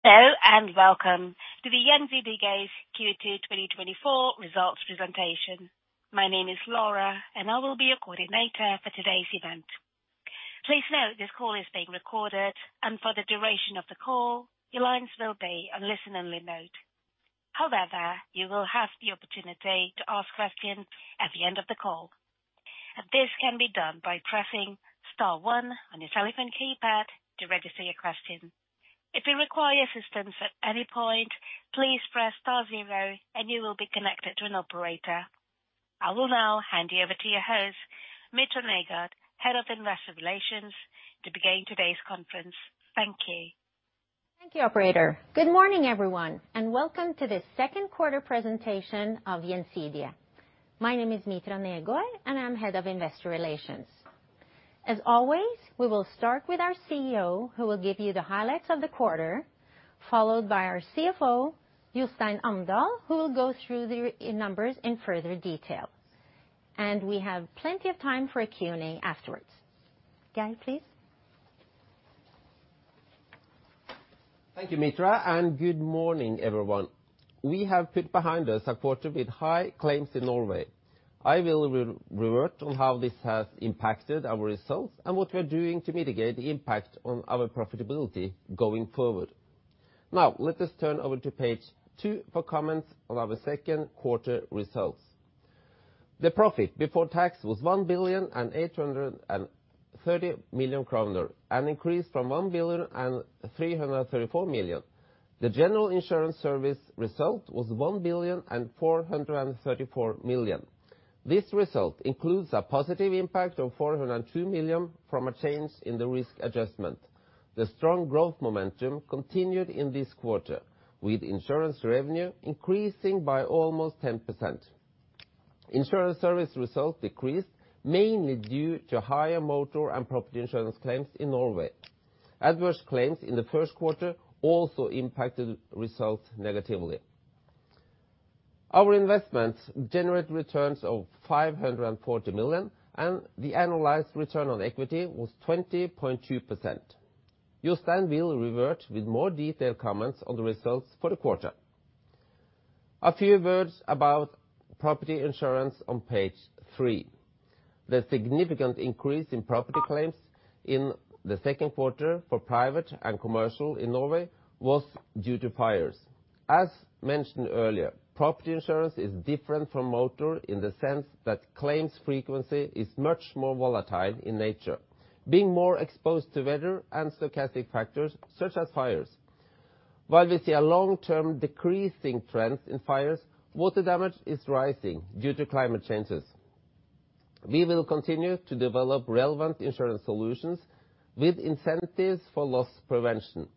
Hello, and welcome to the Gjensidige's Q2 2024 Results Presentation. My name is Laura, and I will be your coordinator for today's event. Please note, this call is being recorded, and for the duration of the call, your lines will be on listen-only mode. However, you will have the opportunity to ask questions at the end of the call, and this can be done by pressing star one on your telephone keypad to register your question. If you require assistance at any point, please press star zero and you will be connected to an operator. I will now hand you over to your host, Mitra Negård, head of Investor Relations, to begin today's conference. Thank you. Thank you, operator. Good morning, everyone, and welcome to this second quarter presentation of Gjensidige. My name is Mitra Negård, and I'm Head of Investor Relations. As always, we will start with our CEO, who will give you the highlights of the quarter, followed by our CFO, Jostein Amdal, who will go through the numbers in further detail. And we have plenty of time for a Q&A afterwards. Geir, please. Thank you, Mitra, and good morning, everyone. We have put behind us a quarter with high claims in Norway. I will re-revert on how this has impacted our results and what we're doing to mitigate the impact on our profitability going forward. Now, let us turn over to page two for comments on our second quarter results. The profit before tax was 1,830 million kroner, an increase from 1,334 million. The general insurance service result was 1,434 million. This result includes a positive impact of 402 million from a change in the risk adjustment. The strong growth momentum continued in this quarter, with insurance revenue increasing by almost 10%. Insurance service results decreased, mainly due to higher motor and property insurance claims in Norway. Adverse claims in the first quarter also impacted results negatively. Our investments generate returns of 540 million, and the annualized return on equity was 20.2%. Jostein will revert with more detailed comments on the results for the quarter. A few words about property insurance on page three. The significant increase in property claims in the second quarter for private and commercial in Norway was due to fires. As mentioned earlier, property insurance is different from motor in the sense that claims frequency is much more volatile in nature, being more exposed to weather and stochastic factors, such as fires. While we see a long-term decreasing trend in fires, water damage is rising due to climate changes. We will continue to develop relevant insurance solutions with incentives for loss prevention.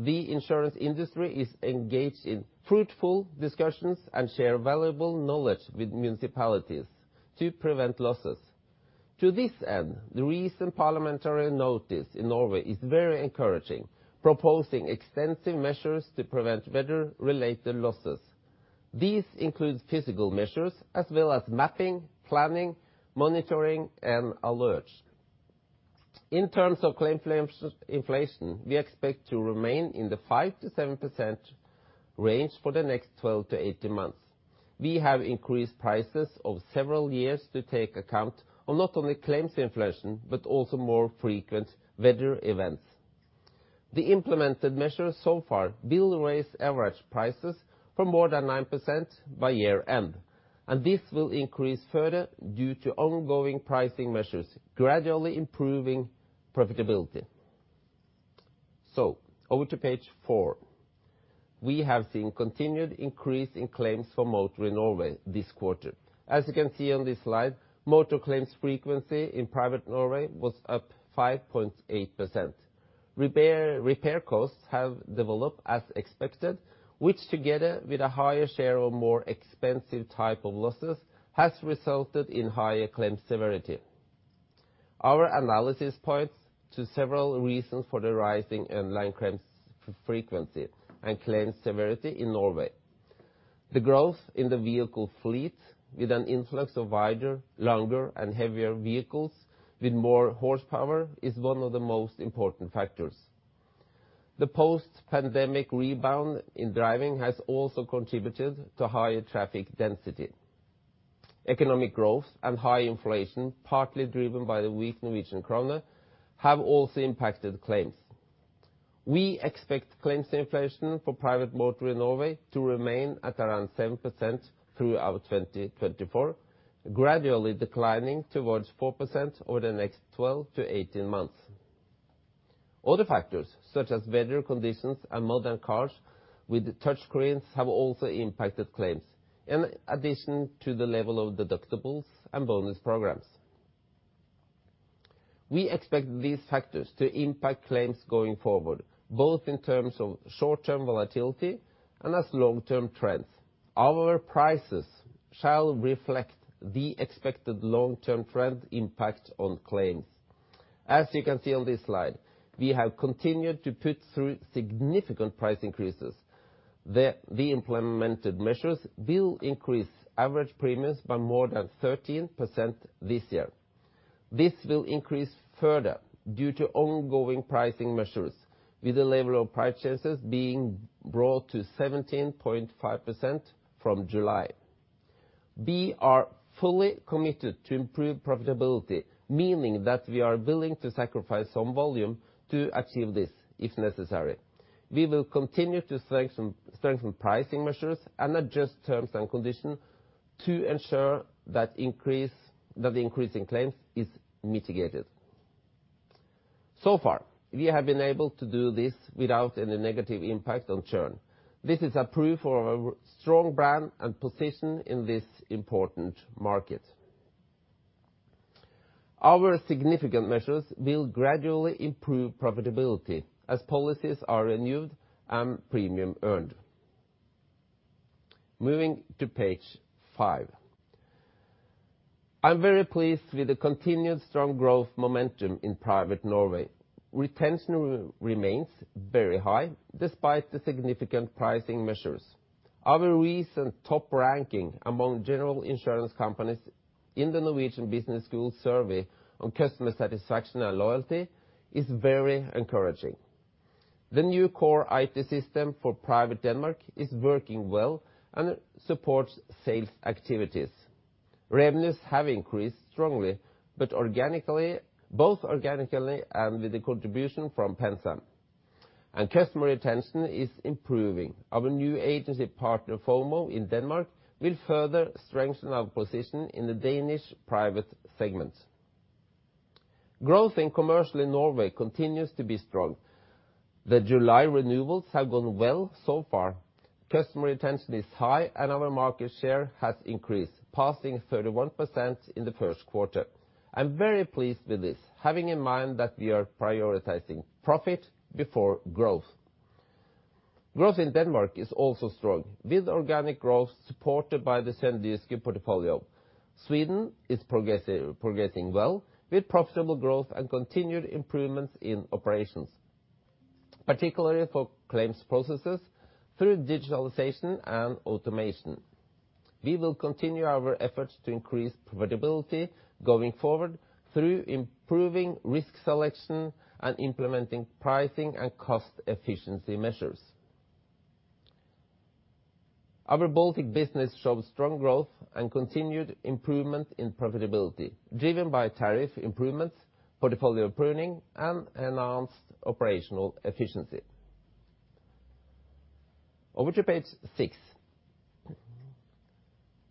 The insurance industry is engaged in fruitful discussions and shares valuable knowledge with municipalities to prevent losses. To this end, the recent parliamentary notice in Norway is very encouraging, proposing extensive measures to prevent weather-related losses. These include physical measures, as well as mapping, planning, monitoring, and alerts. In terms of claims inflation, we expect to remain in the 5%-7% range for the next 12-18 months. We have increased prices over several years to take account of not only claims inflation, but also more frequent weather events. The implemented measures so far will raise average prices for more than 9% by year-end, and this will increase further due to ongoing pricing measures, gradually improving profitability. So over to page four. We have seen continued increase in claims for motor in Norway this quarter. As you can see on this slide, motor claims frequency in Private Norway was up 5.8%. Repair costs have developed as expected, which, together with a higher share of more expensive type of losses, has resulted in higher claim severity. Our analysis points to several reasons for the rising in-line claims frequency and claims severity in Norway. The growth in the vehicle fleet, with an influx of wider, longer, and heavier vehicles with more horsepower, is one of the most important factors. The post-pandemic rebound in driving has also contributed to higher traffic density. Economic growth and high inflation, partly driven by the weak Norwegian kroner, have also impacted claims. We expect claims inflation for private motor in Norway to remain at around 7% throughout 2024, gradually declining towards 4% over the next 12-18 months. Other factors, such as weather conditions and modern cars with touchscreens, have also impacted claims, in addition to the level of deductibles and bonus programs. We expect these factors to impact claims going forward, both in terms of short-term volatility and as long-term trends. Our prices shall reflect the expected long-term trend impact on claims. As you can see on this slide, we have continued to put through significant price increases. The implemented measures will increase average premiums by more than 13% this year. This will increase further due to ongoing pricing measures, with the level of price changes being brought to 17.5% from July. We are fully committed to improve profitability, meaning that we are willing to sacrifice some volume to achieve this, if necessary. We will continue to strengthen pricing measures and adjust terms and conditions to ensure that the increase in claims is mitigated. So far, we have been able to do this without any negative impact on churn. This is a proof of our strong brand and position in this important market. Our significant measures will gradually improve profitability as policies are renewed and premium earned. Moving to page five. I'm very pleased with the continued strong growth momentum in Private Norway. Retention remains very high, despite the significant pricing measures. Our recent top ranking among general insurance companies in the Norwegian Business School survey on customer satisfaction and loyalty is very encouraging. The new core IT system for Private Denmark is working well and supports sales activities. Revenues have increased strongly, both organically and with the contribution from PenSam, and customer retention is improving. Our new agency partner, FOMO, in Denmark, will further strengthen our position in the Danish Private segment. Growth in Commercial in Norway continues to be strong. The July renewals have gone well so far. Customer retention is high, and our market share has increased, passing 31% in the first quarter. I'm very pleased with this, having in mind that we are prioritizing profit before growth. Growth in Denmark is also strong, with organic growth supported by the Sønderjysk portfolio. Sweden is progressing, progressing well, with profitable growth and continued improvements in operations, particularly for claims processes through digitalization and automation. We will continue our efforts to increase profitability going forward through improving risk selection and implementing pricing and cost efficiency measures. Our Baltic business shows strong growth and continued improvement in profitability, driven by tariff improvements, portfolio pruning, and enhanced operational efficiency. Over to page six.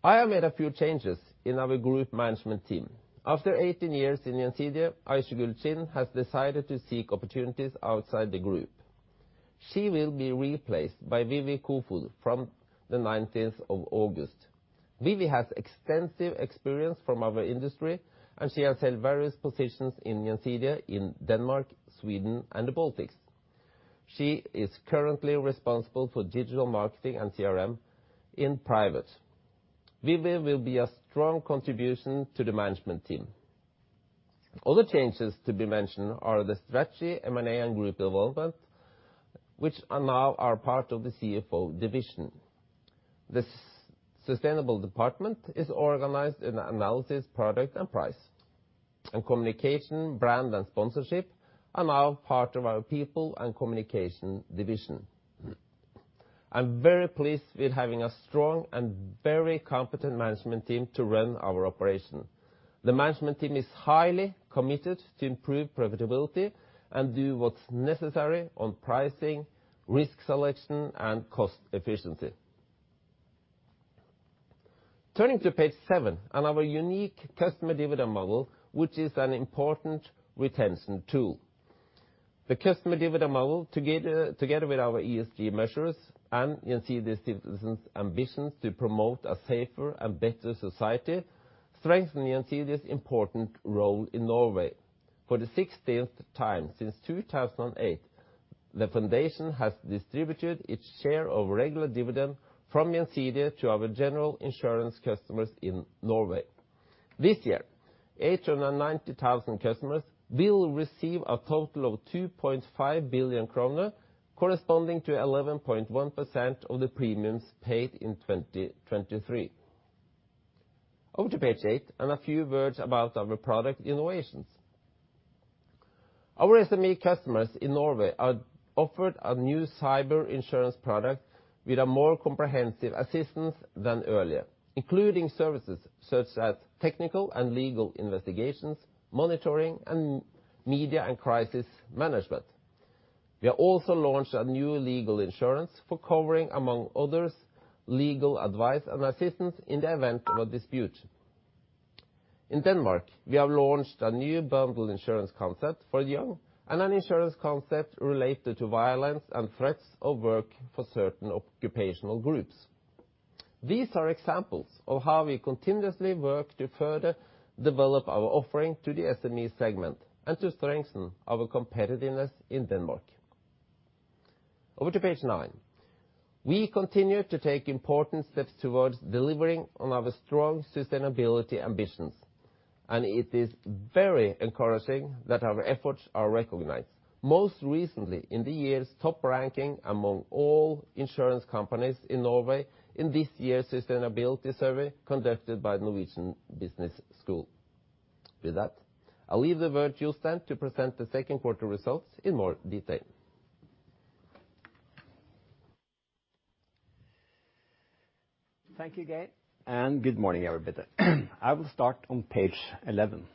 I have made a few changes in our group management team. After 18 years in Gjensidige, Aysegül Çin has decided to seek opportunities outside the group. She will be replaced by Vivi Kofoed from the nineteenth of August. Vivi has extensive experience from our industry, and she has held various positions in Gjensidige in Denmark, Sweden, and the Baltics. She is currently responsible for digital marketing and CRM in Private. Vivi will be a strong contribution to the management team. Other changes to be mentioned are the strategy, M&A, and group development, which are now part of the CFO division. The sustainable department is organized in analysis, product, and price. Communication, brand, and sponsorship are now part of our people and communication division. I'm very pleased with having a strong and very competent management team to run our operation. The management team is highly committed to improve profitability and do what's necessary on pricing, risk selection, and cost efficiency. Turning to page seven, and our unique customer dividend model, which is an important retention tool. The customer dividend model, together with our ESG measures and Gjensidige's ambitions to promote a safer and better society, strengthen Gjensidige's important role in Norway. For the 16th time since 2008, the foundation has distributed its share of regular dividend from Gjensidige to our general insurance customers in Norway. This year, 890,000 customers will receive a total of 2.5 billion kroner, corresponding to 11.1% of the premiums paid in 2023. Over to page eight, and a few words about our product innovations. Our SME customers in Norway are offered a new cyber insurance product with a more comprehensive assistance than earlier, including services such as technical and legal investigations, monitoring, and media and crisis management. We have also launched a new legal insurance for covering, among others, legal advice and assistance in the event of a dispute. In Denmark, we have launched a new bundle insurance concept for the young, and an insurance concept related to violence and threats of work for certain occupational groups. These are examples of how we continuously work to further develop our offering to the SME segment and to strengthen our competitiveness in Denmark. Over to page nine. We continue to take important steps towards delivering on our strong sustainability ambitions, and it is very encouraging that our efforts are recognized. Most recently, in the year's top ranking among all insurance companies in Norway in this year's sustainability survey, conducted by the Norwegian Business School. With that, I'll leave the virtual stand to present the second quarter results in more detail. Thank you, Geir, and good morning, everybody. I will start on page 11.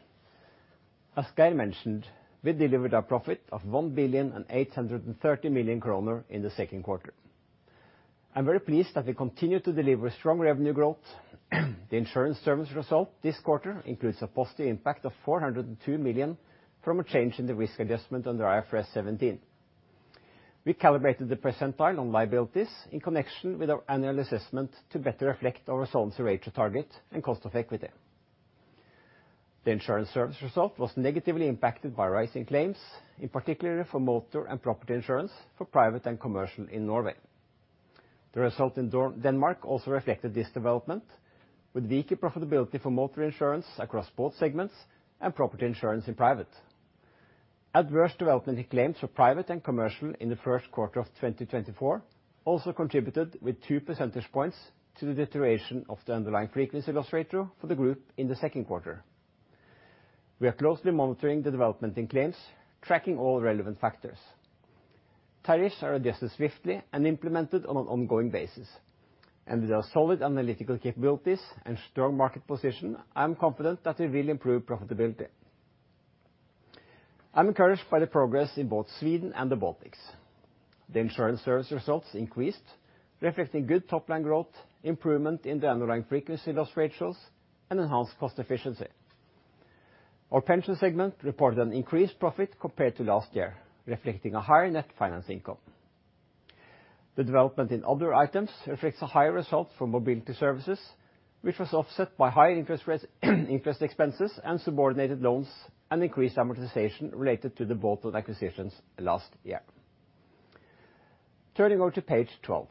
As Geir mentioned, we delivered a profit of 1.83 billion in the second quarter. I'm very pleased that we continue to deliver strong revenue growth. The insurance service result this quarter includes a positive impact of 402 million from a change in the risk adjustment under IFRS 17. We calibrated the percentile on liabilities in connection with our annual assessment to better reflect our solvency ratio target and cost of equity. The insurance service result was negatively impacted by rising claims, in particular for motor and property insurance for private and commercial in Norway. The result in Denmark also reflected this development, with weaker profitability for motor insurance across both segments and property insurance in private. Adverse development in claims for private and commercial in the first quarter of 2024 also contributed with 2 percentage points to the deterioration of the underlying frequency loss ratio for the group in the second quarter. We are closely monitoring the development in claims, tracking all relevant factors. Tariffs are adjusted swiftly and implemented on an ongoing basis. And with our solid analytical capabilities and strong market position, I am confident that we will improve profitability. I'm encouraged by the progress in both Sweden and the Baltics. The insurance service results increased, reflecting good top line growth, improvement in the underlying frequency loss ratios, and enhanced cost efficiency. Our pension segment reported an increased profit compared to last year, reflecting a higher net finance income. The development in other items reflects a higher result from mobility services, which was offset by higher interest rates, interest expenses, and subordinated loans, and increased amortization related to the bolt-on acquisitions last year. Turning over to page 12.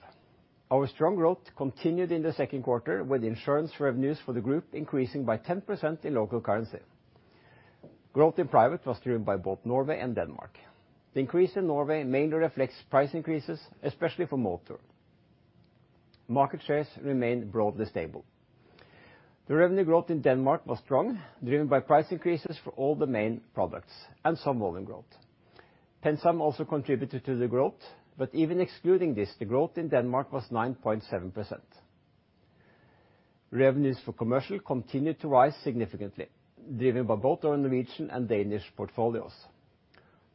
Our strong growth continued in the second quarter, with insurance revenues for the group increasing by 10% in local currency. Growth in private was driven by both Norway and Denmark. The increase in Norway mainly reflects price increases, especially for motor. Market shares remained broadly stable. The revenue growth in Denmark was strong, driven by price increases for all the main products and some volume growth. PenSam also contributed to the growth, but even excluding this, the growth in Denmark was 9.7%. Revenues for commercial continued to rise significantly, driven by both our Norwegian and Danish portfolios.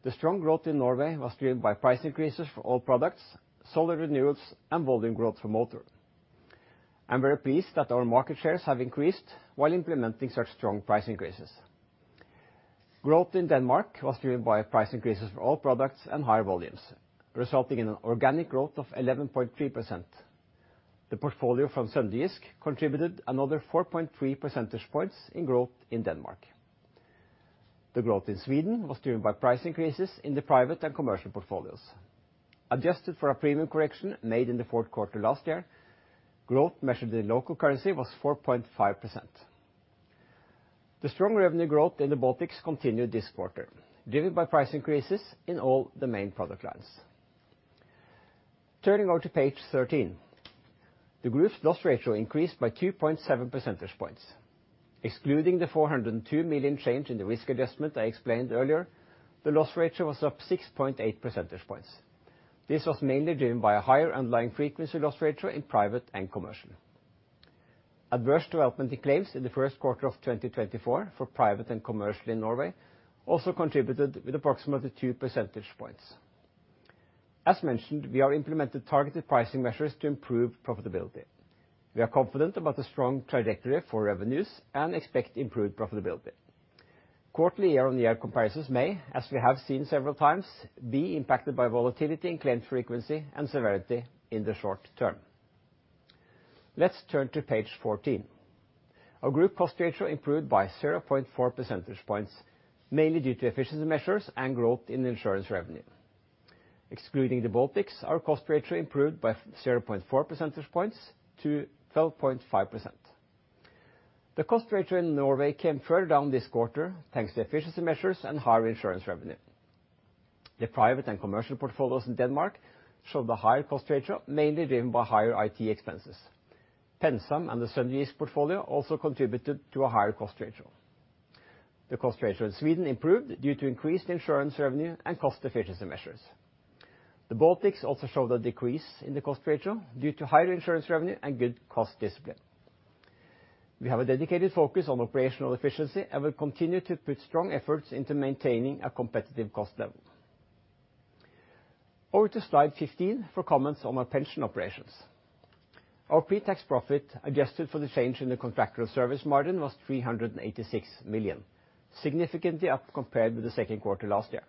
The strong growth in Norway was driven by price increases for all products, solar renewals, and volume growth for motor. I'm very pleased that our market shares have increased while implementing such strong price increases. Growth in Denmark was driven by price increases for all products and higher volumes, resulting in an organic growth of 11.3%. The portfolio from Sønderjysk contributed another 4.3 percentage points in growth in Denmark. The growth in Sweden was driven by price increases in the private and commercial portfolios. Adjusted for a premium correction made in the fourth quarter last year, growth measured in local currency was 4.5%. The strong revenue growth in the Baltics continued this quarter, driven by price increases in all the main product lines. Turning over to page 13. The group's loss ratio increased by 2.7 percentage points. Excluding the 402 million change in the risk adjustment I explained earlier, the loss ratio was up 6.8 percentage points. This was mainly driven by a higher underlying frequency loss ratio in private and commercial. Adverse development in claims in the first quarter of 2024 for private and commercial in Norway also contributed with approximately 2 percentage points. As mentioned, we have implemented targeted pricing measures to improve profitability. We are confident about the strong trajectory for revenues and expect improved profitability. Quarterly year-on-year comparisons may, as we have seen several times, be impacted by volatility in claim frequency and severity in the short term. Let's turn to page 14. Our group cost ratio improved by 0.4 percentage points, mainly due to efficiency measures and growth in insurance revenue. Excluding the Baltics, our cost ratio improved by 0.4 percentage points to 12.5%. The cost ratio in Norway came further down this quarter, thanks to efficiency measures and higher insurance revenue. The private and commercial portfolios in Denmark showed the higher cost ratio, mainly driven by higher IT expenses. PenSam and the Sønderjysk portfolio also contributed to a higher cost ratio. The cost ratio in Sweden improved due to increased insurance revenue and cost efficiency measures. The Baltics also showed a decrease in the cost ratio due to higher insurance revenue and good cost discipline. We have a dedicated focus on operational efficiency and will continue to put strong efforts into maintaining a competitive cost level. Over to slide 15 for comments on our pension operations. Our pretax profit, adjusted for the change in the contractual service margin, was 386 million, significantly up compared with the second quarter last year.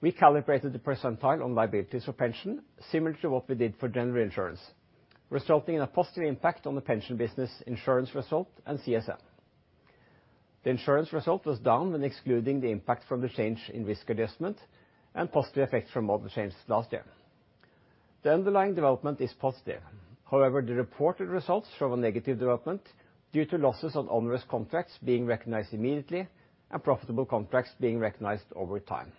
We calibrated the percentile on liabilities for pension similar to what we did for general insurance, resulting in a positive impact on the pension business, insurance result, and CSM. The insurance result was down when excluding the impact from the change in risk adjustment and positive effects from model changes last year. The underlying development is positive. However, the reported results show a negative development due to losses on onerous contracts being recognized immediately and profitable contracts being recognized over time.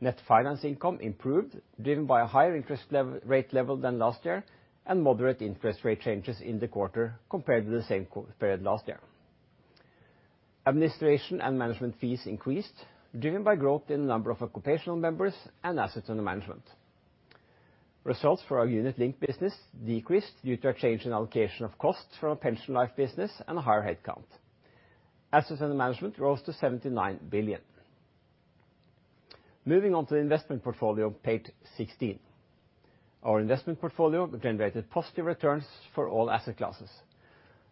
Net finance income improved, driven by a higher interest level, rate level than last year, and moderate interest rate changes in the quarter compared to the same period last year. Administration and management fees increased, driven by growth in the number of occupational members and assets under management. Results for our unit-linked business decreased due to a change in allocation of costs from our pension life business and a higher headcount. Assets under management rose to 79 billion. Moving on to the investment portfolio, page 16. Our investment portfolio generated positive returns for all asset classes.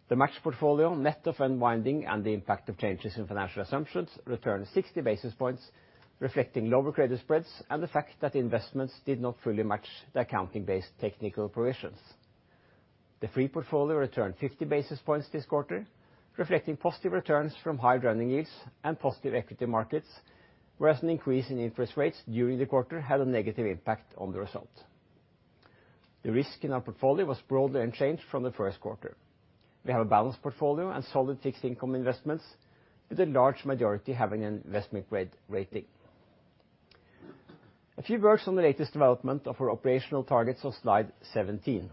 The match portfolio, net of unwinding and the impact of changes in financial assumptions, returned 60 basis points, reflecting lower credit spreads and the fact that investments did not fully match the accounting-based technical provisions. The free portfolio returned 50 basis points this quarter, reflecting positive returns from higher running yields and positive equity markets, whereas an increase in interest rates during the quarter had a negative impact on the result. The risk in our portfolio was broadly unchanged from the first quarter. We have a balanced portfolio and solid fixed income investments, with a large majority having an investment grade rating. A few words on the latest development of our operational targets on slide 17.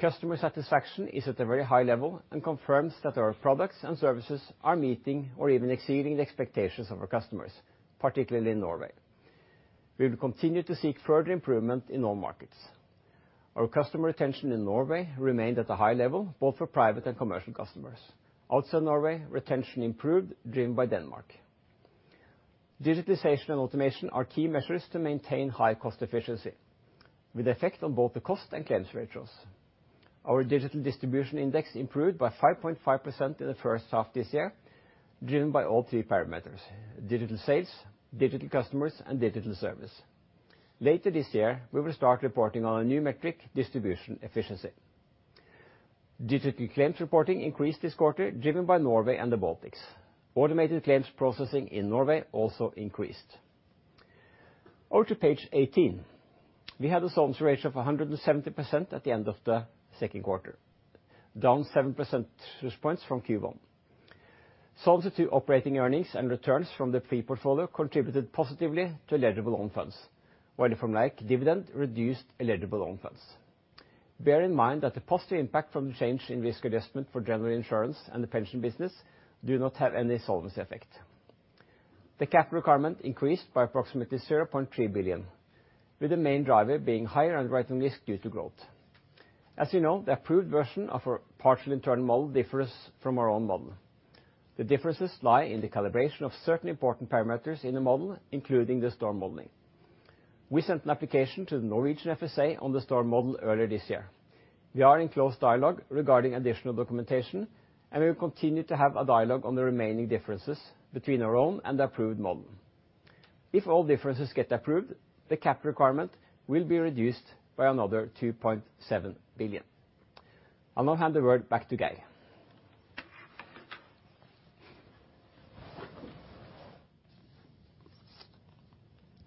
Customer satisfaction is at a very high level and confirms that our products and services are meeting or even exceeding the expectations of our customers, particularly in Norway. We will continue to seek further improvement in all markets. Our customer retention in Norway remained at a high level, both for private and commercial customers. Outside Norway, retention improved, driven by Denmark. Digitalization and automation are key measures to maintain high cost efficiency, with effect on both the cost and claims ratios. Our digital distribution index improved by 5.5% in the first half this year, driven by all three parameters: digital sales, digital customers, and digital service. Later this year, we will start reporting on a new metric, distribution efficiency. Digital claims reporting increased this quarter, driven by Norway and the Baltics. Automated claims processing in Norway also increased. Over to page 18. We had a solvency ratio of 170% at the end of the second quarter, down 7 percentage points from Q1. Solvency II operating earnings and returns from the free portfolio contributed positively to eligible own funds, while from like, dividend reduced eligible own funds. Bear in mind that the positive impact from the change in risk adjustment for general insurance and the pension business do not have any solvency effect. The capital requirement increased by approximately 0.3 billion, with the main driver being higher underwriting risk due to growth. As you know, the approved version of our partially internal model differs from our own model. The differences lie in the calibration of certain important parameters in the model, including the storm modeling. We sent an application to the Norwegian FSA on the storm model earlier this year. We are in close dialogue regarding additional documentation, and we will continue to have a dialogue on the remaining differences between our own and the approved model. If all differences get approved, the cap requirement will be reduced by another 2.7 billion. I'll now hand the word back to Geir.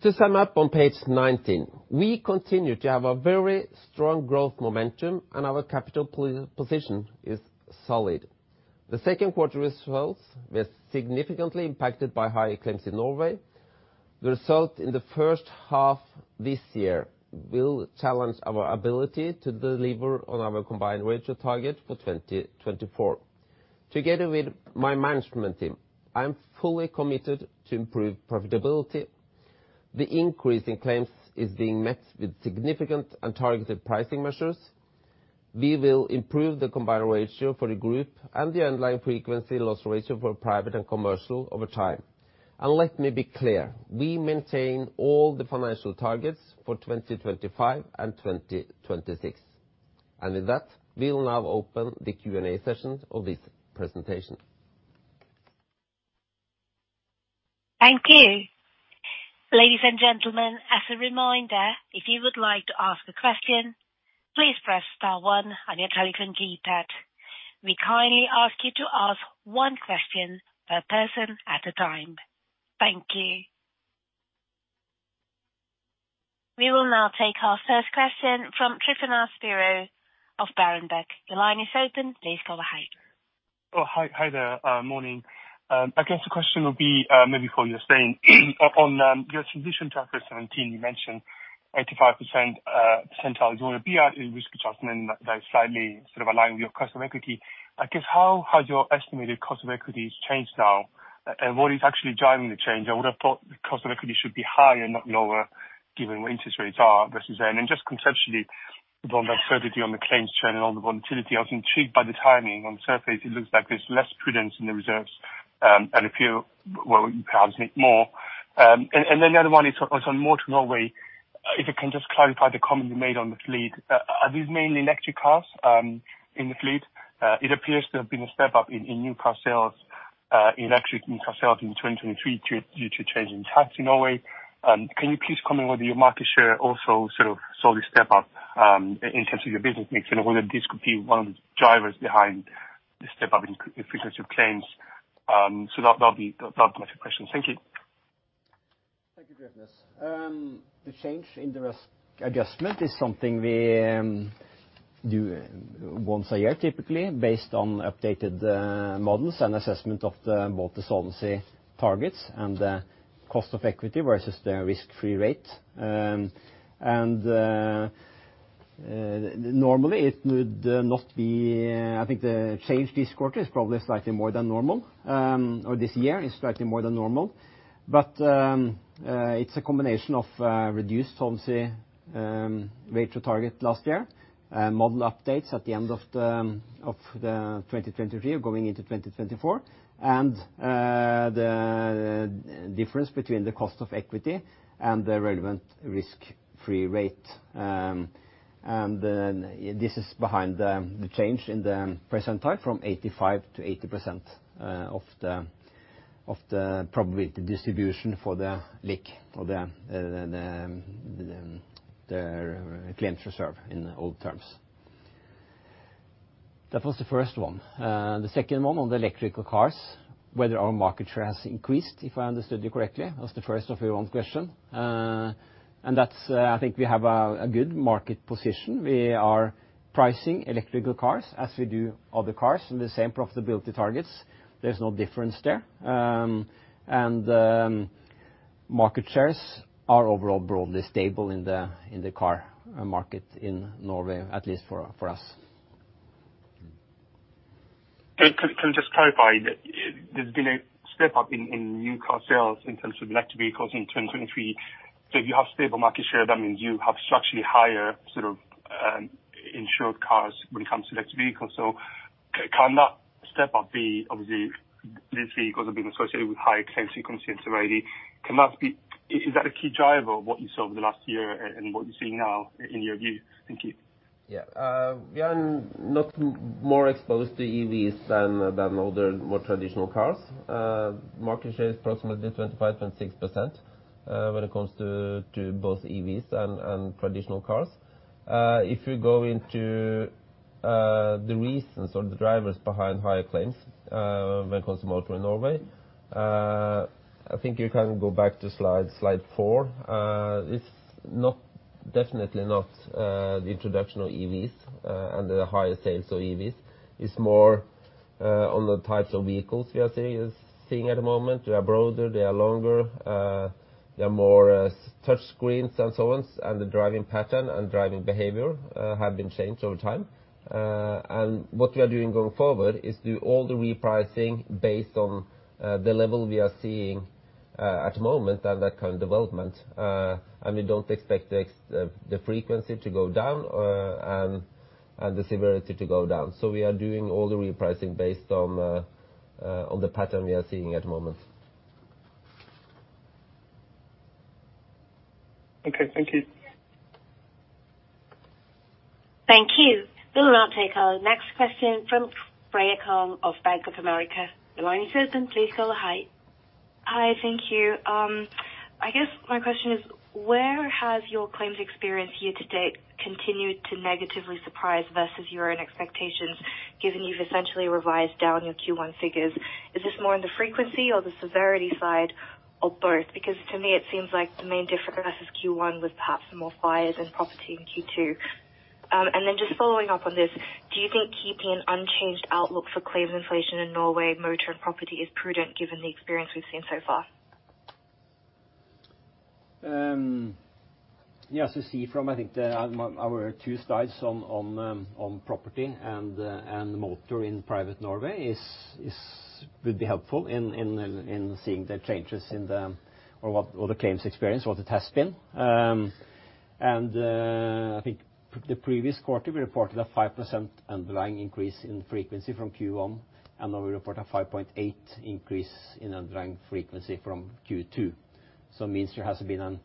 To sum up on page 19, we continue to have a very strong growth momentum, and our capital position is solid. The second quarter results were significantly impacted by high claims in Norway. The result in the first half this year will challenge our ability to deliver on our combined ratio target for 2024. Together with my management team, I'm fully committed to improve profitability. The increase in claims is being met with significant and targeted pricing measures. We will improve the combined ratio for the group and the underlying frequency loss ratio for private and commercial over time. And let me be clear, we maintain all the financial targets for 2025 and 2026. And with that, we'll now open the Q&A session of this presentation. Thank you. Ladies and gentlemen, as a reminder, if you would like to ask a question, please press star one on your telephone keypad. We kindly ask you to ask one question per person at a time. Thank you. We will now take our first question from Tryfonas Spyrou of Berenberg. The line is open. Please go ahead. Oh, hi. Hi there, morning. I guess the question would be, maybe for you, Stein. On your transition to chapter 17, you mentioned 85% percentile you want to be at in risk adjustment. That is slightly sort of aligned with your cost of equity. I guess, how has your estimated cost of equities changed now, and what is actually driving the change? I would have thought the cost of equity should be higher, not lower, given where interest rates are versus then. And just conceptually, on the absurdity on the claims trend and all the volatility, I was intrigued by the timing. On the surface, it looks like there's less prudence in the reserves, and a few, well, perhaps more. And then the other one is on more to Norway. If you can just clarify the comment you made on the fleet. Are these mainly electric cars in the fleet? It appears to have been a step up in new car sales in electric car sales in 2023 due to change in tax in Norway. Can you please comment whether your market share also sort of saw this step up in terms of your business mix, and whether this could be one of the drivers behind the step up in frequency of claims? So that, that'll be, that'll be my two questions. Thank you. Thank you, Tryfonas. The change in the risk adjustment is something we do once a year, typically, based on updated models and assessment of both the solvency targets and cost of equity versus the risk-free rate. And normally it would not be, I think the change this quarter is probably slightly more than normal, or this year is slightly more than normal. But it's a combination of reduced obviously rate to target last year, model updates at the end of the 2023 going into 2024, and the difference between the cost of equity and the relevant risk-free rate. And then this is behind the change in the percentile from 85% to 80% of the probability distribution for the loss or the claims reserve in the old terms. That was the first one. The second one on the electric cars, whether our market share has increased, if I understood you correctly, that was the first of your own question. And that's, I think we have a good market position. We are pricing electric cars as we do other cars in the same profitability targets. There's no difference there. And market shares are overall broadly stable in the car market in Norway, at least for us. Can we just clarify? There's been a step up in new car sales in terms of electric vehicles in 2023. So if you have stable market share, that means you have structurally higher sort of, insured cars when it comes to electric vehicles. So can that step up be, obviously, these vehicles have been associated with high claims frequency and severity. Can that be. Is that a key driver of what you saw over the last year and what you're seeing now in your view? Thank you. Yeah. We are not more exposed to EVs than other more traditional cars. Market share is approximately 25.6%, when it comes to both EVs and traditional cars. If you go into the reasons or the drivers behind higher claims, when it comes to motor in Norway, I think you can go back to slide, slide four. It's not, definitely not, the introduction of EVs and the higher sales of EVs. It's more on the types of vehicles we are seeing at the moment. They are broader, they are longer, they are more touch screens and so on, and the driving pattern and driving behavior have been changed over time. And what we are doing going forward is do all the repricing based on the level we are seeing at the moment and that kind of development. And we don't expect the frequency to go down, and the severity to go down. So we are doing all the repricing based on the pattern we are seeing at the moment. Okay, thank you. Thank you. We'll now take our next question from Freya Kong of Bank of America. The line is open. Please go ahead. Hi, thank you. I guess my question is, where has your claims experience year to date continued to negatively surprise versus your own expectations, given you've essentially revised down your Q1 figures? Is this more on the frequency or the severity side, or both? Because to me, it seems like the main difference versus Q1 was perhaps more fires and property in Q2. And then just following up on this, do you think keeping an unchanged outlook for claims inflation in Norway, motor, and property is prudent given the experience we've seen so far? Yes, as you see from, I think, our two slides on property and motor in private Norway. It would be helpful in seeing the changes in the, or what, or the claims experience, what it has been. And, I think the previous quarter, we reported a 5% underlying increase in frequency from Q1, and now we report a 5.8 increase in underlying frequency from Q2. So it means there has been a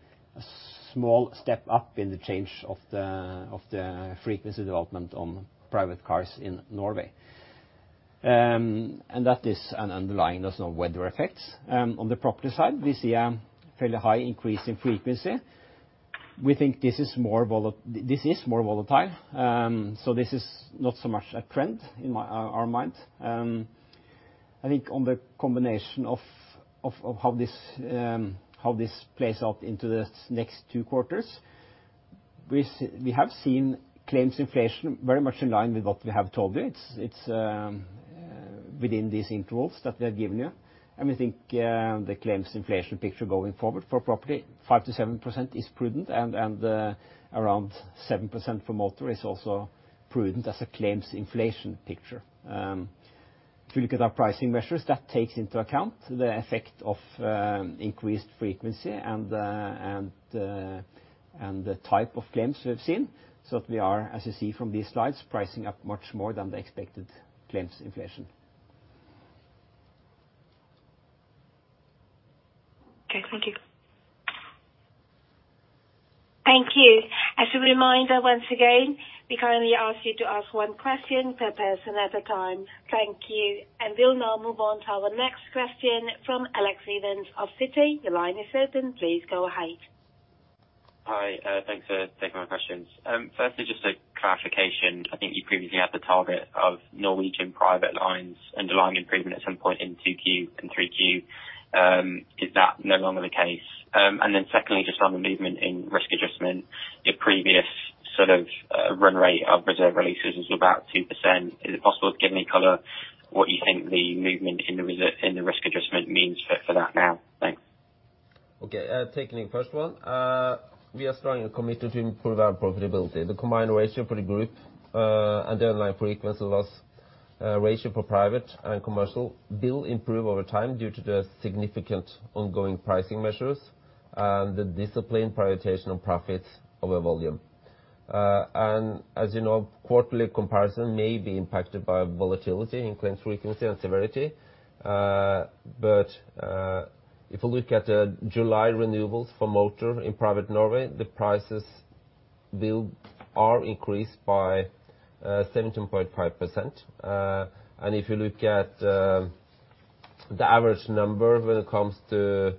small step up in the change of the frequency development on private cars in Norway. And that is underlying; there's no weather effects. On the property side, we see a fairly high increase in frequency. We think this is more volatile. So this is not so much a trend in my, our mind. I think on the combination of how this plays out into the next two quarters, we have seen claims inflation very much in line with what we have told you. It's within these intervals that we have given you, and we think the claims inflation picture going forward for property, 5%-7% is prudent, and around 7% for motor is also prudent as a claims inflation picture. If you look at our pricing measures, that takes into account the effect of increased frequency and the type of claims we've seen. So we are, as you see from these slides, pricing up much more than the expected claims inflation. Okay, thank you. Thank you. As a reminder, once again, we kindly ask you to ask one question per person at a time. Thank you. We'll now move on to our next question from Alex Evans of Citi. The line is open. Please go ahead. Hi, thanks for taking my questions. Firstly, just a clarification. I think you previously had the target of Norwegian private lines underlying improvement at some point in 2Q and 3Q. Is that no longer the case? And then secondly, just on the movement in risk adjustment, your previous sort of run rate of reserve releases was about 2%. Is it possible to give any color, what you think the movement in the risk adjustment means for that now? Thanks. Okay, taking the first one, we are strongly committed to improve our profitability. The combined ratio for the group and the underlying frequency loss ratio for private and commercial will improve over time due to the significant ongoing pricing measures and the disciplined prioritization of profits over volume. And as you know, quarterly comparison may be impacted by volatility in claims frequency and severity. But if you look at the July renewals for motor in private Norway, the prices are increased by 17.5%. And if you look at the average number when it comes to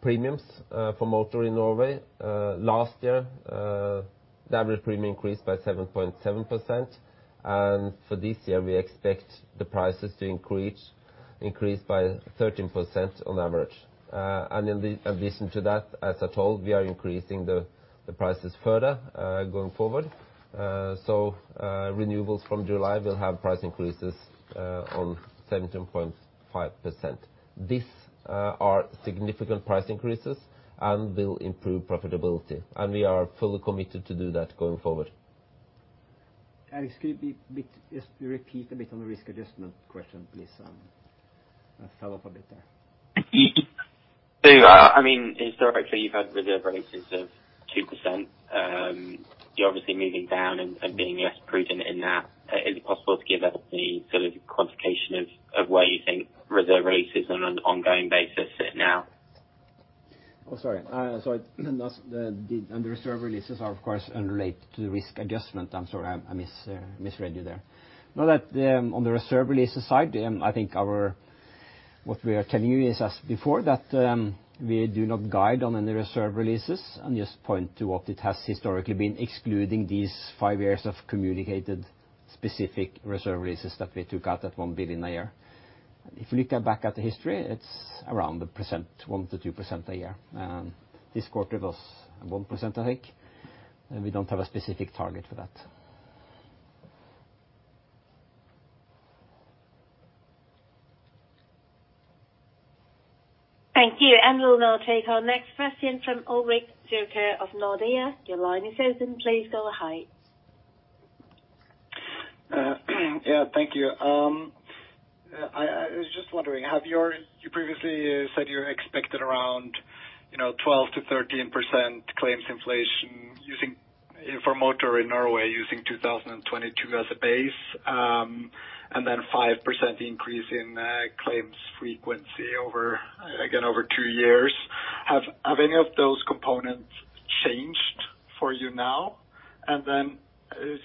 premiums for motor in Norway, last year, the average premium increased by 7.7%. And for this year, we expect the prices to increase by 13% on average. In addition to that, as I told, we are increasing the prices further going forward. So, renewals from July will have price increases on 17.5%. These are significant price increases and will improve profitability, and we are fully committed to do that going forward. Alex, could you just repeat a bit on the risk adjustment question, please? I fell off a bit there. So, I mean, historically, you've had reserve releases of 2%. You're obviously moving down and being less prudent in that. Is it possible to give us the sort of quantification of where you think reserve releases on an ongoing basis sit now? Oh, sorry, sorry. The reserve releases are, of course, unrelated to the risk adjustment. I'm sorry, I misread you there. Now that, on the reserve releases side, I think what we are telling you is as before, that we do not guide on any reserve releases, and just point to what it has historically been, excluding these five years of communicated specific reserve releases that we took out at 1 billion a year. If you look back at the history, it's around 1%, 1%-2% a year. This quarter was 1%, I think, and we don't have a specific target for that. Thank you, and we'll now take our next question from Ulrik Zürcher of Nordea. Your line is open. Please go ahead. Yeah, thank you. I, I was just wondering, have your. You previously said you expected around, you know, 12%-13% claims inflation using, for motor in Norway, using 2022 as a base, and then 5% increase in, claims frequency over, again, over two years. Have, have any of those components changed for you now? And then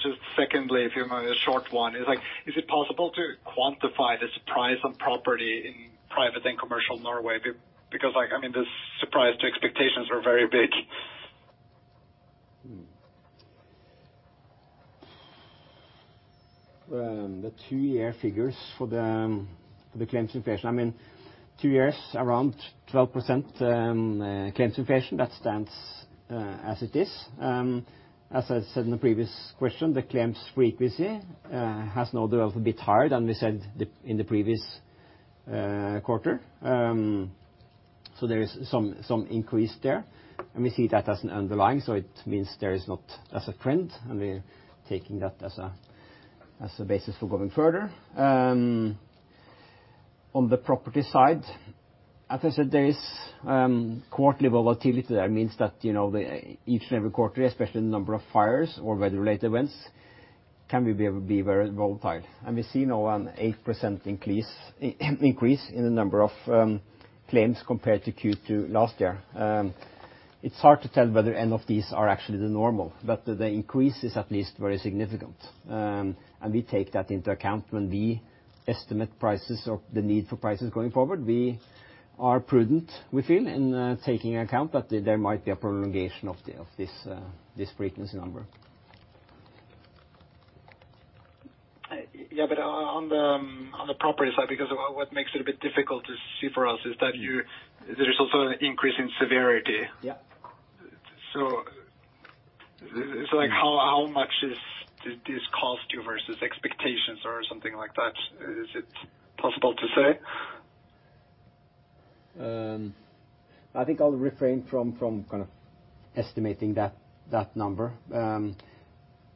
just secondly, if you want a short one, is like, is it possible to quantify the surprise on property in private and commercial Norway? Because, like, I mean, the surprise to expectations are very big. The two-year figures for the claims inflation, I mean, two years, around 12%, claims inflation, that stands as it is. As I said in the previous question, the claims frequency has now developed a bit higher than we said in the previous quarter. So there is some increase there, and we see that as an underlying, so it means there is not as a trend, and we're taking that as a basis for going further. On the property side, as I said, there is quarterly volatility. That means that, you know, the each and every quarter, especially the number of fires or weather-related events, can be very volatile. And we see now an 8% increase in the number of claims compared to Q2 last year. It's hard to tell whether any of these are actually the normal, but the increase is at least very significant. We take that into account when we estimate prices or the need for prices going forward. We are prudent, we feel, in taking into account that there might be a prolongation of this frequency number. Yeah, but on the, on the property side, because what makes it a bit difficult to see for us is that you, there is also an increase in severity. Yeah. So, like, how much did this cost you versus expectations or something like that? Is it possible to say? I think I'll refrain from kind of estimating that number.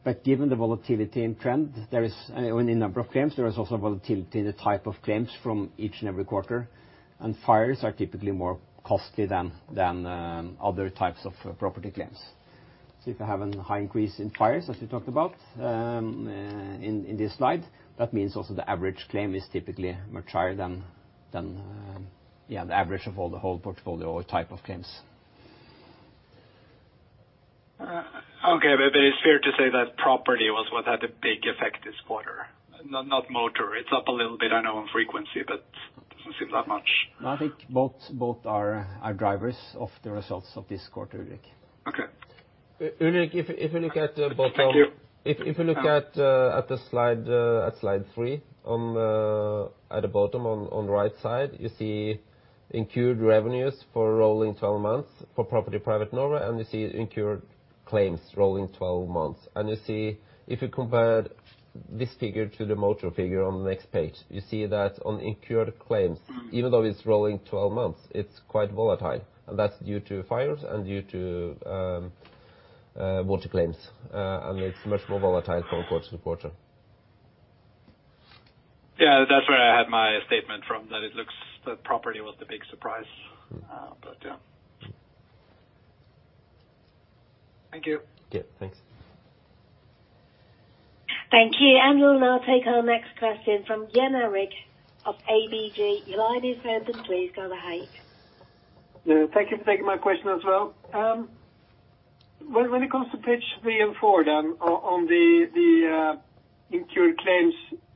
But given the volatility and trend, there is, and the number of claims, there is also volatility in the type of claims from each and every quarter, and fires are typically more costly than other types of property claims. So if you have a high increase in fires, as we talked about, in this slide, that means also the average claim is typically much higher than yeah, the average of all the whole portfolio or type of claims. Okay, but it's fair to say that property was what had a big effect this quarter, not, not motor. It's up a little bit, I know, on frequency, but it doesn't seem that much. I think both are drivers of the results of this quarter, Ulrik. Okay. Ulrik, if you look at the bottom- Thank you. If you look at the slide, at slide three, at the bottom, on the right side, you see incurred revenues for rolling twelve months for property private Norway, and you see incurred claims rolling twelve months. And you see, if you compare this figure to the motor figure on the next page, you see that on incurred claims, even though it's rolling twelve months, it's quite volatile, and that's due to fires and due to motor claims. And it's much more volatile from quarter to quarter. Yeah, that's where I had my statement from, that it looks. That property was the big surprise, but yeah. Thank you. Yeah, thanks. Thank you, and we'll now take our next question from Jan Erik of ABG. Your line is open. Please go ahead. Yeah, thank you for taking my question as well. When, when it comes to page three and four, then, on, on the, the incurred claims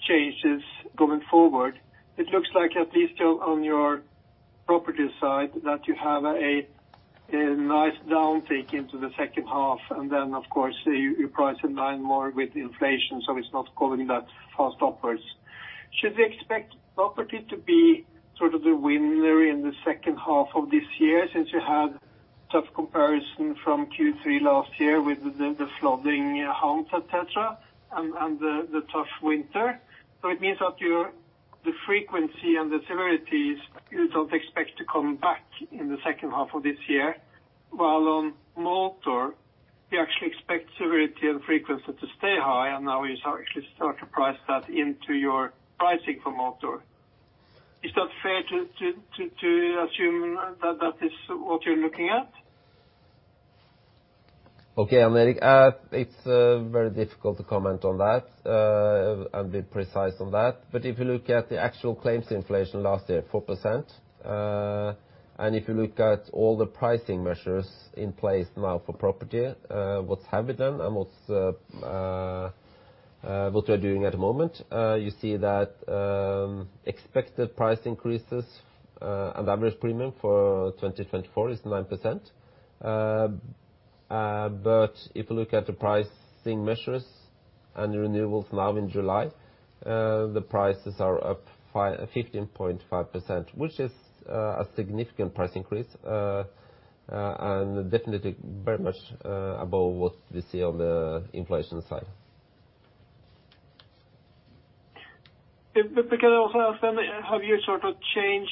changes going forward, it looks like at least on your property side, that you have a, a nice downtick into the second half, and then, of course, you, you price in line more with inflation, so it's not going that fast upwards. Should we expect property to be sort of the winner in the second half of this year, since you had tough comparison from Q3 last year with the, the flooding in homes, et cetera, and, and the, the tough winter? So it means that your, the frequency and the severities, you don't expect to come back in the second half of this year, while on motor, you actually expect severity and frequency to stay high, and now you actually start to price that into your pricing for motor. Is that fair to assume that that is what you're looking at? Okay, Jan Erik. It's very difficult to comment on that and be precise on that. But if you look at the actual claims inflation last year, 4%, and if you look at all the pricing measures in place now for property, what's happened then and what we're doing at the moment, you see that expected price increases and average premium for 2024 is 9%. But if you look at the pricing measures and the renewals now in July, the prices are up fifteen point five percent, which is a significant price increase and definitely very much above what we see on the inflation side. But can I also ask then, have you sort of changed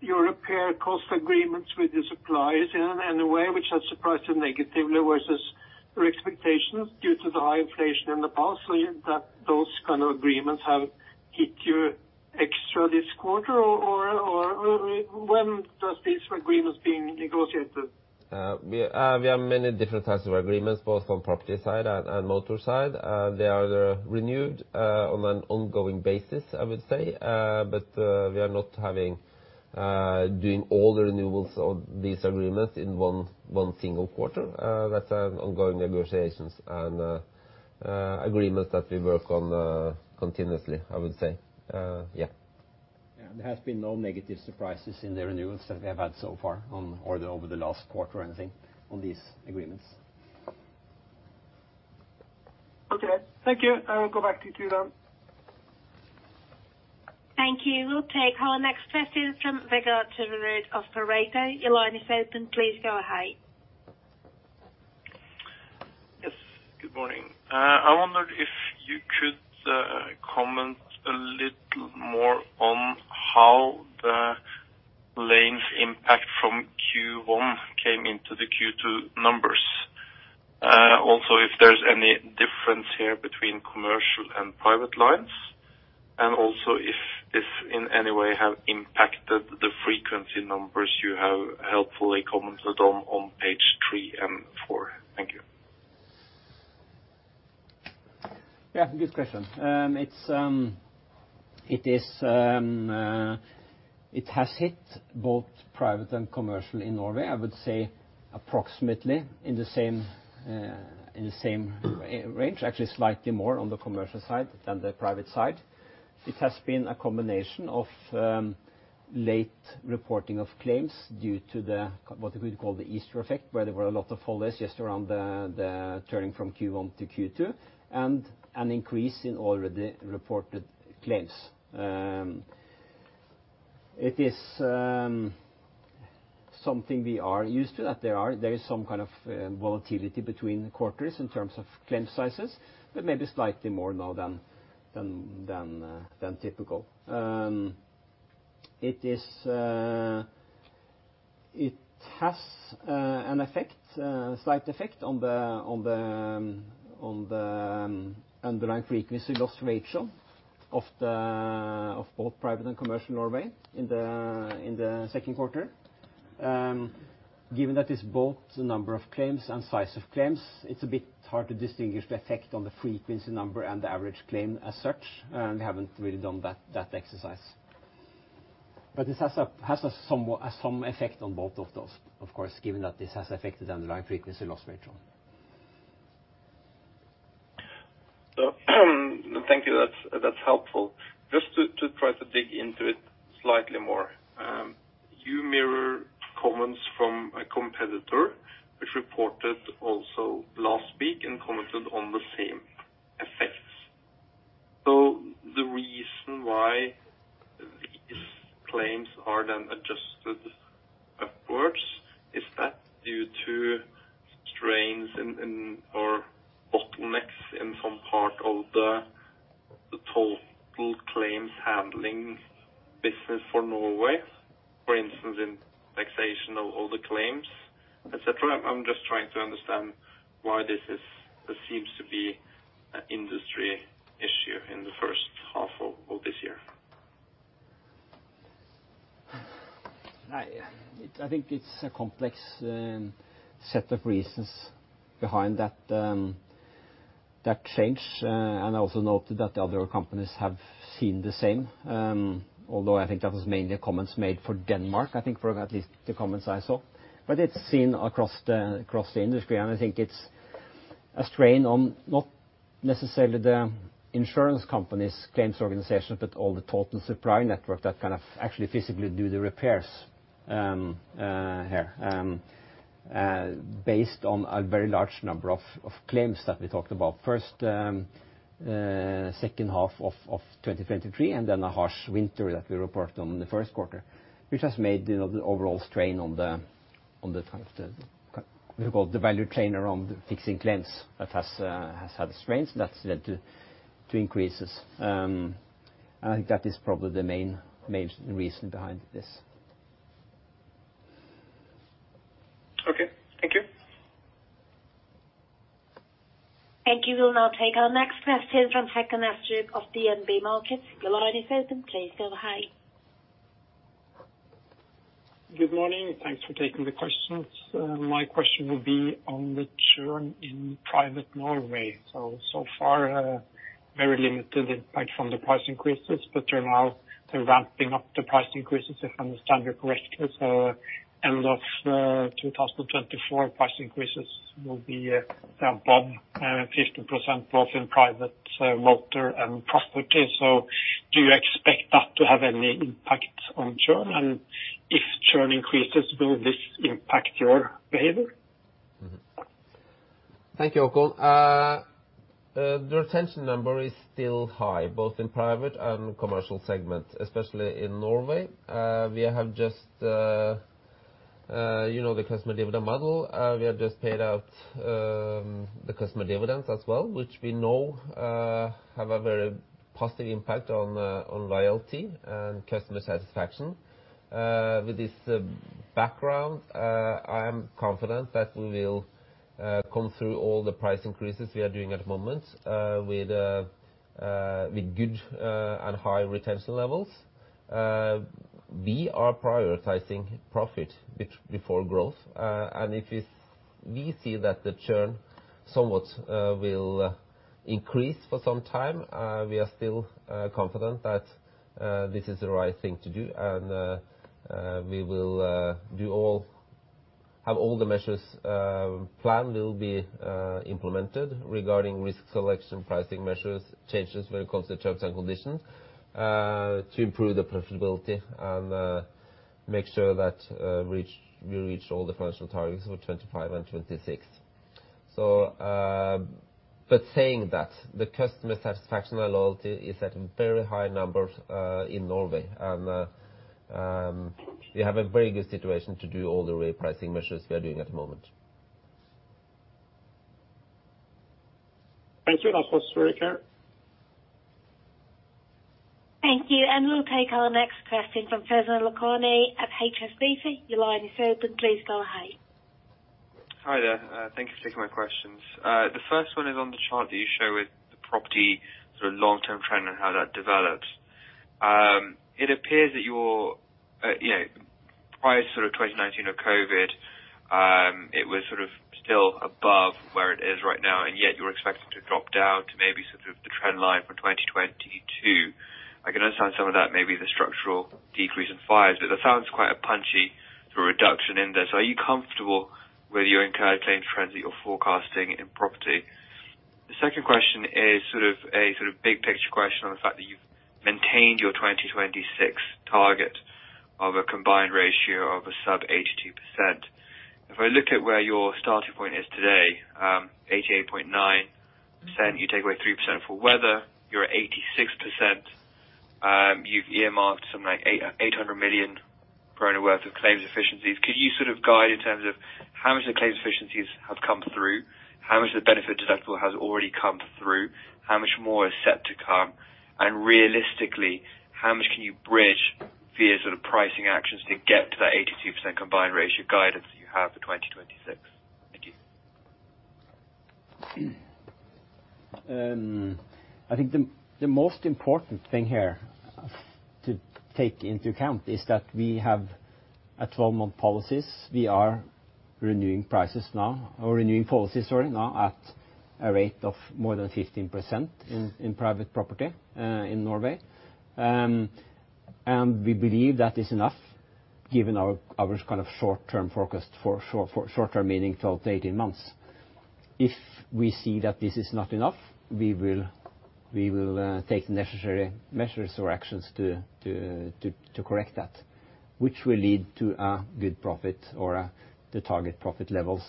your repair cost agreements with your suppliers in any way which has surprised you negatively versus your expectations due to the high inflation in the past, so that those kind of agreements have hit you extra this quarter? Or when does these agreements being negotiated? We have many different types of agreements, both on property side and motor side. They are renewed on an ongoing basis, I would say. But we are not doing all the renewals of these agreements in one single quarter. That's an ongoing negotiations and agreements that we work on continuously, I would say. Yeah. Yeah, there has been no negative surprises in the renewals that we have had so far on or over the last quarter or anything on these agreements. Okay, thank you. I will go back to you then. Thank you. We'll take our next question from Vegard Toverud of Pareto Securities. Your line is open. Please go ahead. Yes, good morning. I wondered if you could comment a little more on how the claims impact from Q1 came into the Q2 numbers. Also, if there's any difference here between commercial and private lines, and also, if this in any way have impacted the frequency numbers you have helpfully commented on, on page three and four. Thank you. Yeah, good question. It is, it has hit both private and commercial in Norway, I would say approximately in the same range. Actually, slightly more on the commercial side than the private side. It has been a combination of late reporting of claims due to the, what we would call the Easter effect, where there were a lot of holidays just around the turning from Q1 to Q2, and an increase in already reported claims. It is something we are used to, that there is some kind of volatility between quarters in terms of claim sizes, but maybe slightly more now than typical. It is... It has an effect, a slight effect on the underlying frequency loss ratio of both private and commercial Norway in the second quarter. Given that it's both the number of claims and size of claims, it's a bit hard to distinguish the effect on the frequency number and the average claim as such, and we haven't really done that exercise. But this has a somewhat some effect on both of those, of course, given that this has affected the underlying frequency loss ratio. So, thank you. That's, that's helpful. Just to, to try to dig into it slightly more, you mirror comments from a competitor, which reported also last week and commented on the same.... The reason why these claims are then adjusted upwards, is that due to strains in, in, or bottlenecks in some part of the, the total claims handling business for Norway? For instance, in assessment of all the claims, et cetera. I'm just trying to understand why this is, this seems to be an industry issue in the first half of this year. I think it's a complex set of reasons behind that change. And I also noted that the other companies have seen the same, although I think that was mainly comments made for Denmark, I think, for at least the comments I saw. But it's seen across the industry, and I think it's a strain on not necessarily the insurance companies' claims organization, but all the total supply network that kind of actually physically do the repairs here. Based on a very large number of claims that we talked about in the second half of 2023, and then a harsh winter that we reported on in the first quarter, which has made you know the overall strain on the kind of value chain we call around fixing claims. That has had strains, and that's led to increases. And I think that is probably the main reason behind this. Okay, thank you. Thank you. We'll now take our next question from Håkon Astrup of DNB Markets. Your line is open, please go ahead. Good morning, thanks for taking the questions. My question will be on the churn in private Norway. So, so far, very limited impact from the price increases, but you're now sort of ramping up the price increases, if I understand you correctly. So end of 2024, price increases will be above 15%, both in private motor and property. So do you expect that to have any impact on churn? And if churn increases, will this impact your behavior? Thank you, Håkon. The retention number is still high, both in private and commercial segment, especially in Norway. We have just, you know, the customer dividend model. We have just paid out, the customer dividends as well, which we know, have a very positive impact on, on loyalty and customer satisfaction. With this background, I am confident that we will, come through all the price increases we are doing at the moment, with, with good, and high retention levels. We are prioritizing profit before growth. And if it's, we see that the churn somewhat, will increase for some time, we are still, confident that, this is the right thing to do. We will do all, have all the measures planned will be implemented regarding risk selection, pricing measures, changes when it comes to terms and conditions, to improve the profitability and make sure that we reach all the financial targets for 2025 and 2026. But saying that, the customer satisfaction and loyalty is at very high numbers in Norway, and we have a very good situation to do all the repricing measures we are doing at the moment. Thank you. Thank you, and we'll take our next question from Faizan Lakhani at HSBC. Your line is open, please go ahead. Hi there, thank you for taking my questions. The first one is on the chart that you show with the property, sort of long-term trend and how that develops. It appears that your, you know, prior to sort of 2019 or COVID, it was sort of still above where it is right now, and yet you're expected to drop down to maybe sort of the trend line for 2022. I can understand some of that may be the structural decrease in fires, but that sounds quite a punchy sort of reduction in this. Are you comfortable with your current claims trends that you're forecasting in property? The second question is sort of a, sort of big picture question on the fact that you've maintained your 2026 target of a combined ratio of a sub 82%. If I look at where your starting point is today, 88.9%, you take away 3% for weather, you're at 86%. You've earmarked something like 800 million pound worth of claims efficiencies. Could you sort of guide in terms of how much the claims efficiencies have come through? How much of the benefit deductible has already come through? How much more is set to come? And realistically, how much can you bridge via sort of pricing actions to get to that 82% combined ratio guidance that you have for 2026? Thank you. I think the most important thing here to take into account is that we have 12-month policies. We are renewing prices now, or renewing policies, sorry, now at a rate of more than 15% in private property in Norway. And we believe that is enough, given our kind of short-term forecast for short term, meaning 12 to 18 months. If we see that this is not enough, we will take the necessary measures or actions to correct that, which will lead to a good profit or the target profit levels...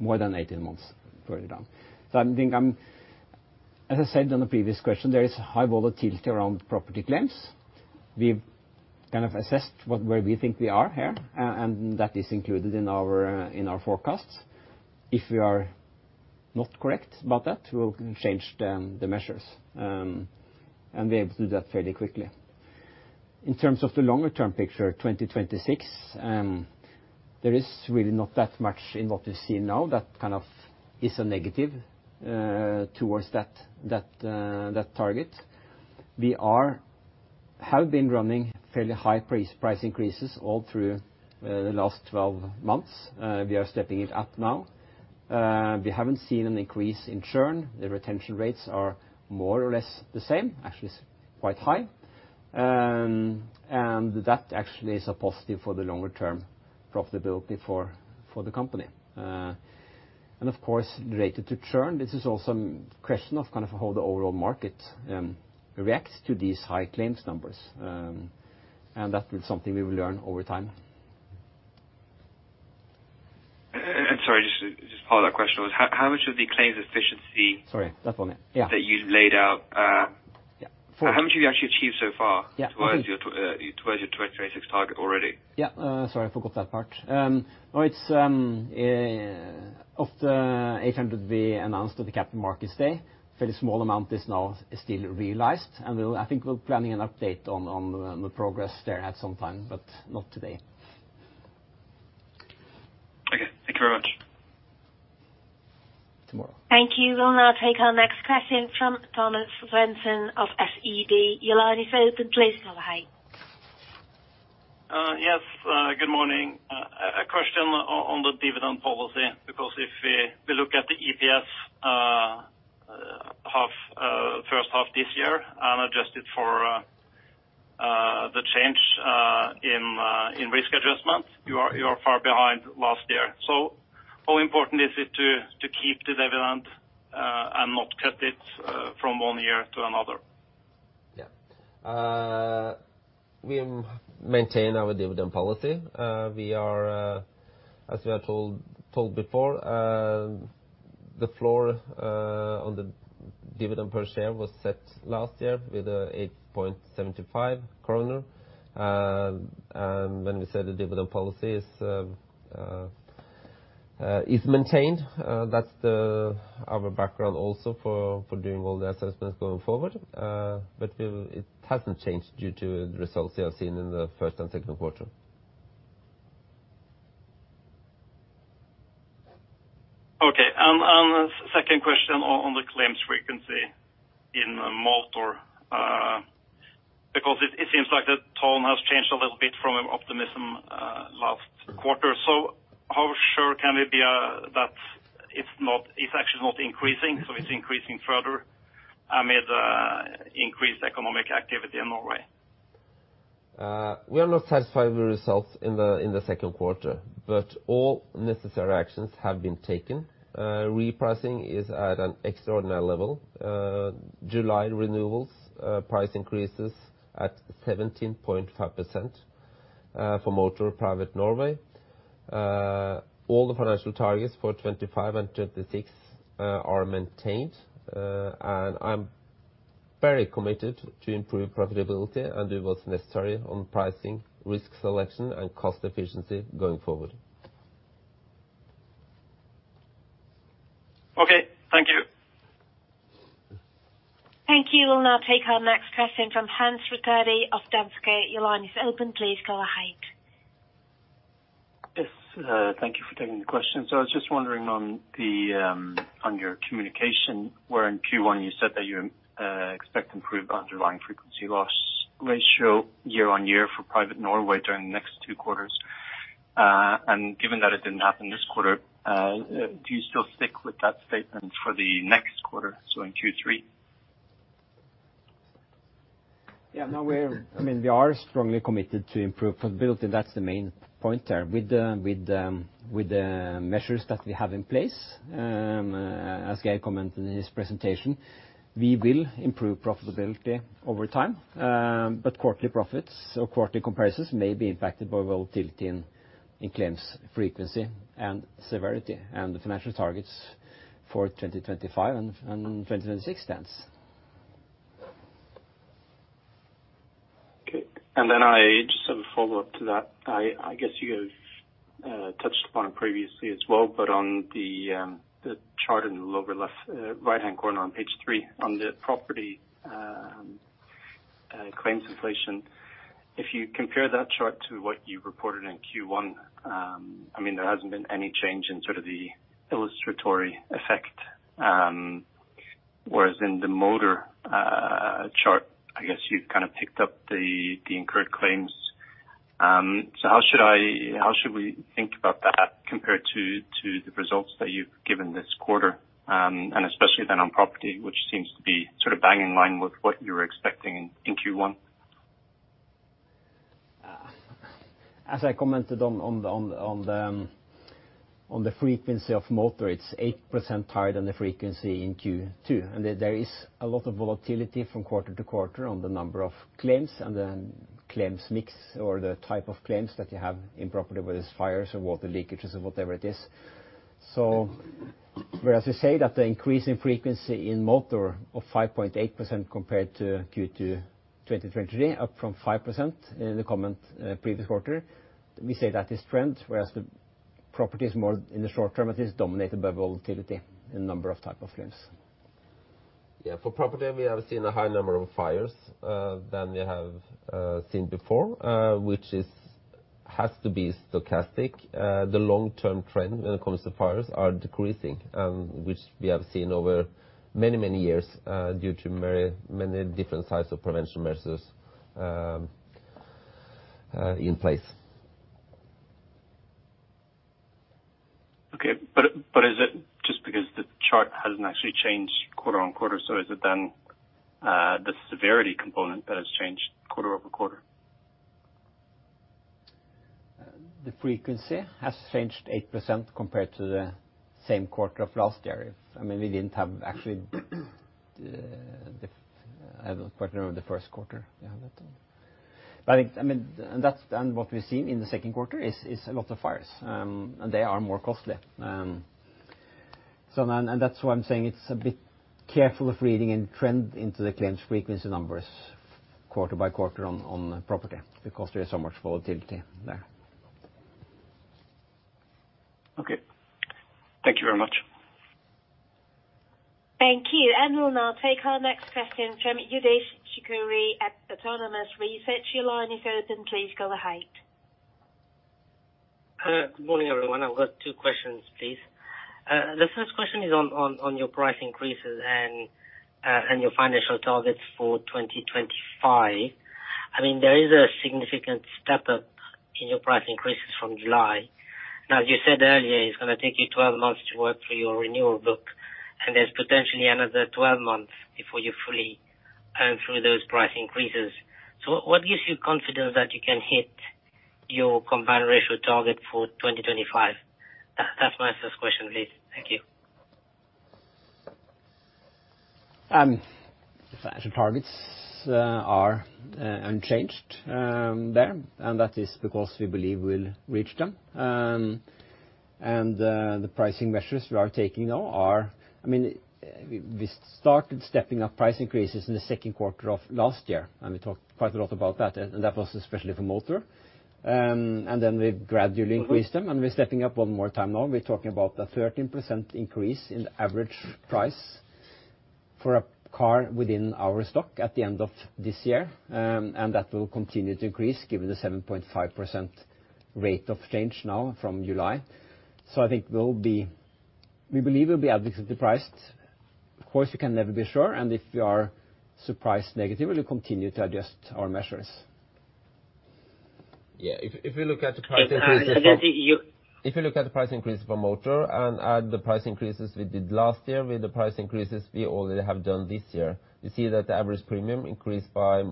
more than 18 months further down. So I think I'm, as I said on the previous question, there is high volatility around property claims. We've kind of assessed what, where we think we are here, and that is included in our, in our forecasts. If we are not correct about that, we'll change the measures. And we're able to do that fairly quickly. In terms of the longer term picture, 2026, there is really not that much in what we see now that kind of is a negative, towards that target. We have been running fairly high price increases all through the last 12 months. We are stepping it up now. We haven't seen an increase in churn. The retention rates are more or less the same, actually quite high. And that actually is a positive for the longer term profitability for the company. And of course, related to churn, this is also a question of kind of how the overall market reacts to these high claims numbers. That is something we will learn over time. And sorry, just, just to follow that question was, how, how much of the claims efficiency- Sorry, last one, yeah. that you laid out Yeah. How much have you actually achieved so far? Yeah. towards your 2026 target already? Yeah, sorry, I forgot that part. Well, it's of the 800 we announced at the Capital Markets Day, fairly small amount is now still realized, and we'll, I think we're planning an update on the progress there at some time, but not today. Okay, thank you very much. Tomorrow. Thank you. We'll now take our next question from Thomas Svendsen of SEB. Your line is open, please go ahead. Yes, good morning. A question on the dividend policy, because if we look at the EPS, first half this year, and adjust it for the change in risk adjustment, you are far behind last year. So how important is it to keep the dividend and not cut it from one year to another? Yeah. We maintain our dividend policy. We are, as we have told before, the floor on the dividend per share was set last year with 8.75 kroner. And when we say the dividend policy is maintained, that's our background also for doing all the assessments going forward. But we will. It hasn't changed due to the results we have seen in the first and second quarter. Okay. And second question on the claims frequency in motor, because it seems like the tone has changed a little bit from optimism last quarter. So how sure can we be that it's actually not increasing further amid increased economic activity in Norway? We are not satisfied with the results in the second quarter, but all necessary actions have been taken. Repricing is at an extraordinary level. July renewals, price increases at 17.5% for motor private Norway. All the financial targets for 2025 and 2026 are maintained, and I'm very committed to improve profitability and do what's necessary on pricing, risk selection, and cost efficiency going forward. Okay, thank you. Thank you. We'll now take our next question from Hans Rettedal of Danske Bank. Your line is open. Please go ahead. Yes, thank you for taking the question. So I was just wondering on the, on your communication, where in Q1 you said that you, expect improved underlying frequency loss ratio year on year for private Norway during the next two quarters. And given that it didn't happen this quarter, do you still stick with that statement for the next quarter, so in Q3? Yeah, no, we're, I mean, we are strongly committed to improve profitability. That's the main point there. With the measures that we have in place, as I commented in this presentation, we will improve profitability over time, but quarterly profits or quarterly comparisons may be impacted by volatility in claims frequency and severity, and the financial targets for 2025 and 2026 stands. Okay. And then I just have a follow-up to that. I, I guess you have touched upon it previously as well, but on the chart in the lower left, right-hand corner on page three, on the property claims inflation, if you compare that chart to what you reported in Q1, I mean, there hasn't been any change in sort of the illustrative effect, whereas in the motor chart, I guess you've kind of picked up the incurred claims. So how should I, how should we think about that compared to the results that you've given this quarter, and especially then on property, which seems to be sort of bang in line with what you were expecting in Q1? As I commented on the frequency of motor, it's 8% higher than the frequency in Q2. And there is a lot of volatility from quarter to quarter on the number of claims, and then claims mix, or the type of claims that you have in property, whether it's fires or water leakages or whatever it is. So whereas we say that the increase in frequency in motor of 5.8% compared to Q2 2023, up from 5% in the comment, previous quarter, we say that is trend, whereas the property is more in the short term, it is dominated by volatility in number of type of claims. Yeah, for property, we have seen a high number of fires than we have seen before, which has to be stochastic. The long-term trend when it comes to fires are decreasing, which we have seen over many, many years, due to very many different types of prevention measures in place. Okay, but is it just because the chart hasn't actually changed quarter-over-quarter, so is it then the severity component that has changed quarter-over-quarter? The frequency has changed 8% compared to the same quarter of last year. I mean, we didn't have actually, the, I don't quite remember the first quarter. We have it. But, I mean, and that's then what we've seen in the second quarter is a lot of fires, and they are more costly. So then, and that's why I'm saying it's a bit careful of reading a trend into the claims frequency numbers quarter by quarter on property, because there is so much volatility there. Okay. Thank you very much. Thank you. We'll now take our next question from Youdish Chicooree at Autonomous Research. Your line is open, please go ahead. Good morning, everyone. I've got two questions, please. The first question is on your price increases and your financial targets for 2025. I mean, there is a significant step up in your price increases from July. Now, as you said earlier, it's gonna take you 12 months to work through your renewal book, and there's potentially another 12 months before you fully earn through those price increases. So what gives you confidence that you can hit your combined ratio target for 2025? That's my first question, please. Thank you. The financial targets are unchanged there, and that is because we believe we'll reach them. The pricing measures we are taking now are... I mean, we started stepping up price increases in the second quarter of last year, and we talked quite a lot about that, and that was especially for motor. Then we've gradually increased them, and we're stepping up one more time now. We're talking about a 13% increase in the average price for a car within our stock at the end of this year. That will continue to increase, given the 7.5% rate of change now from July. So I think we'll be, we believe we'll be adequately priced. Of course, we can never be sure, and if we are surprised negatively, we'll continue to adjust our measures. Yeah, if you look at the price increases from, And then you, If you look at the price increase for motor and add the price increases we did last year, with the price increases we already have done this year, you see that the average premium increased by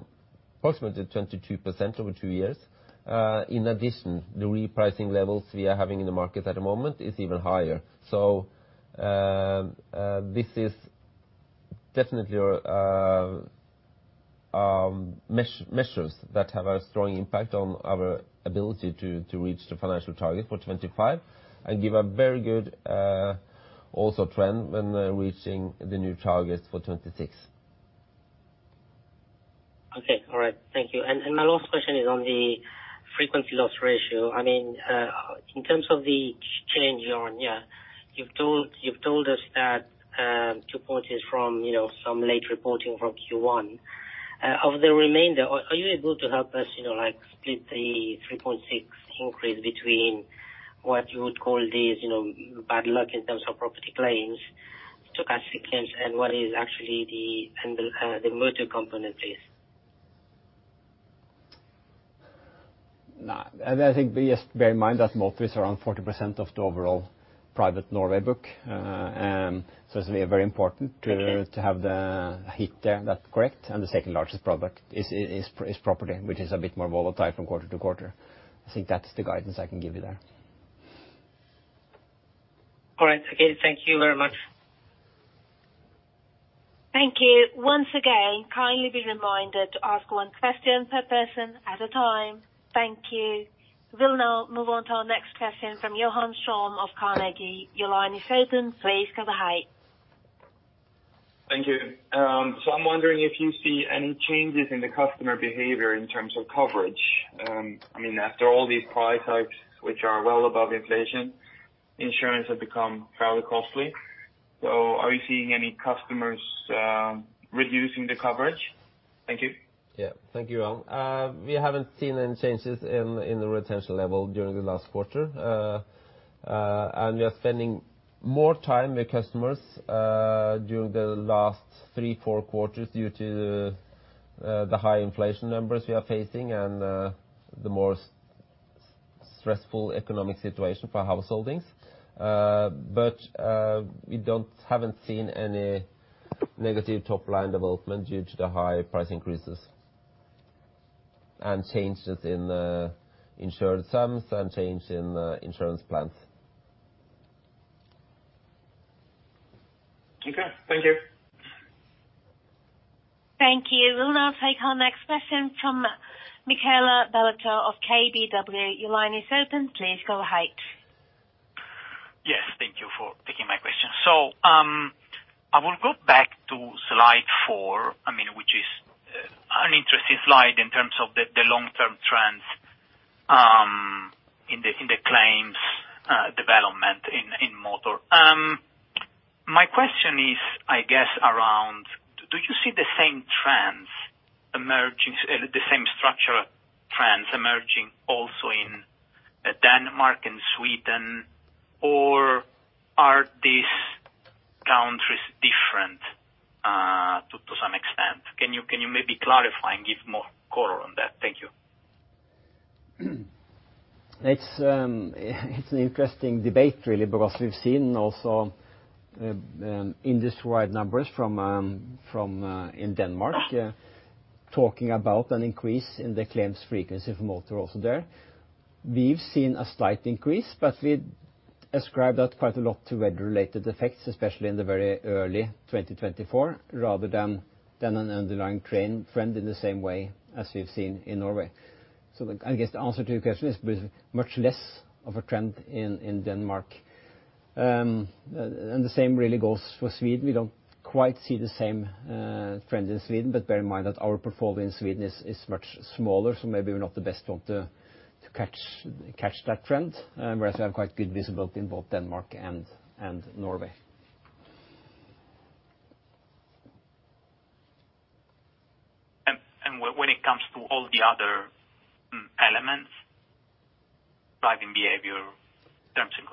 approximately 22% over two years. In addition, the repricing levels we are having in the market at the moment is even higher. This is definitely our measures that have a strong impact on our ability to reach the financial target for 25 and give a very good also trend when reaching the new target for 26. Okay, all right. Thank you. And my last question is on the frequency loss ratio. I mean, in terms of the change year-on-year, you've told us that, two points is from, you know, some late reporting from Q1. Of the remainder, are you able to help us, you know, like, split the 3.6 increase between what you would call is, you know, bad luck in terms of property claims, stochastic claims, and what is actually the, and the motor component, please? No, and I think just bear in mind that motor is around 40% of the overall private Norway book. So it's very important to- Okay. To have the hit there. That's correct. And the second largest product is property, which is a bit more volatile from quarter to quarter. I think that is the guidance I can give you there. All right, okay. Thank you very much. Thank you. Once again, kindly be reminded to ask one question per person at a time. Thank you. We'll now move on to our next question from Johan Ström of Carnegie. Your line is open, please go ahead. Thank you. So I'm wondering if you see any changes in the customer behavior in terms of coverage. I mean, after all these price hikes, which are well above inflation, insurance has become fairly costly. So are you seeing any customers reducing the coverage? Thank you. Yeah. Thank you, Johan. We haven't seen any changes in the retention level during the last quarter. And we are spending more time with customers during the last 3-4 quarters due to the high inflation numbers we are facing and the more stressful economic situation for households. But we don't, haven't seen any negative top-line development due to the high price increases and changes in the insurance sums and change in the insurance plans. Okay, thank you. We'll take our next question from Michele Ballatore of KBW. Your line is open, please go ahead. Yes, thank you for taking my question. So, I will go back to slide four, I mean, which is an interesting slide in terms of the long-term trends in the claims development in motor. My question is, I guess, around: do you see the same trends emerging, the same structural trends emerging also in Denmark and Sweden, or are these countries different to some extent? Can you maybe clarify and give more color on that? Thank you. It's an interesting debate, really, because we've seen also industry-wide numbers from in Denmark talking about an increase in the claims frequency from motor also there. We've seen a slight increase, but we'd ascribe that quite a lot to weather-related effects, especially in the very early 2024, rather than an underlying trend in the same way as we've seen in Norway. So I guess the answer to your question is, there's much less of a trend in Denmark. The same really goes for Sweden. We don't quite see the same trend in Sweden, but bear in mind that our portfolio in Sweden is much smaller, so maybe we're not the best one to catch that trend. Whereas we have quite good visibility in both Denmark and Norway. And, when it comes to all the other elements, driving behavior, terms, and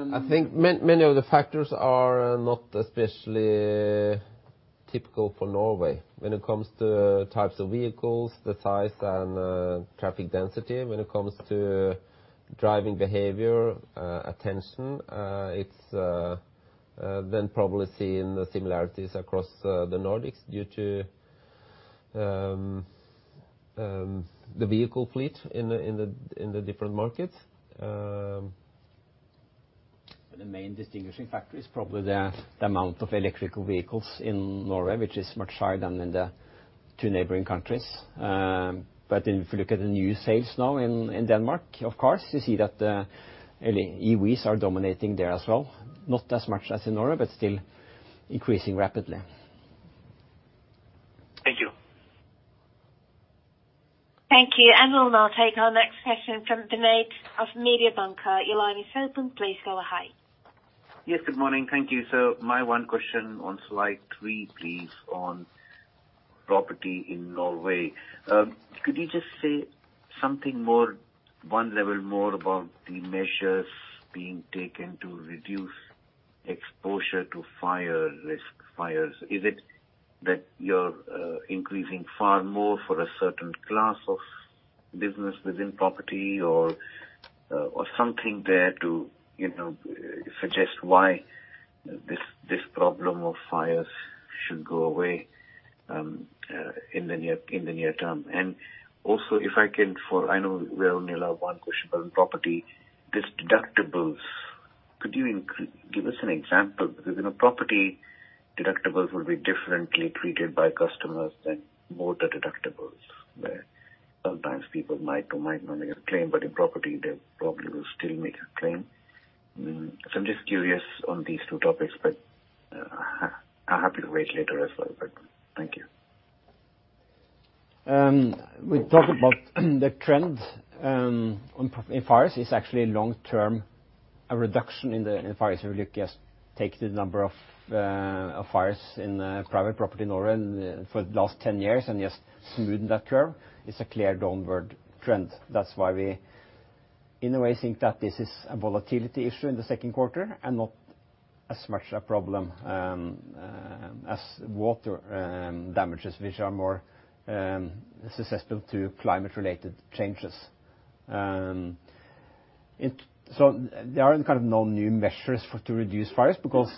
conditions? I think many, many of the factors are not especially typical for Norway. When it comes to types of vehicles, the size and, traffic density, when it comes to driving behavior, attention, it's then probably seeing the similarities across, the Nordics due to, the vehicle fleet in the, in the, in the different markets. But the main distinguishing factor is probably the amount of electric vehicles in Norway, which is much higher than in the two neighboring countries. But if you look at the new sales now in Denmark, of course, you see that, EVs are dominating there as well. Not as much as in Norway, but still increasing rapidly. Thank you. Thank you. We'll now take our next question from Vinit of Mediobanca. Your line is open, please go ahead. Yes, good morning. Thank you. So my one question on slide three, please, on property in Norway. Could you just say something more, one level more about the measures being taken to reduce exposure to fire risk, fires? Is it that you're increasing far more for a certain class of business within property or something there to, you know, suggest why this, this problem of fires should go away in the near term? And also, if I can, I know we only allow one question on property, this deductibles, could you give us an example? Because in a property, deductibles will be differently treated by customers than motor deductibles, where sometimes people might or might not make a claim, but in property, they probably will still make a claim. I'm just curious on these two topics, but I'm happy to wait later as well. But thank you. We talked about the trend on property fires. It's actually long-term, a reduction in fires. If you just take the number of fires in private property in Norway for the last 10 years and just smoothen that curve, it's a clear downward trend. That's why we, in a way, think that this is a volatility issue in the second quarter and not as much a problem as water damages, which are more susceptible to climate-related changes. So there are kind of no new measures to reduce fires because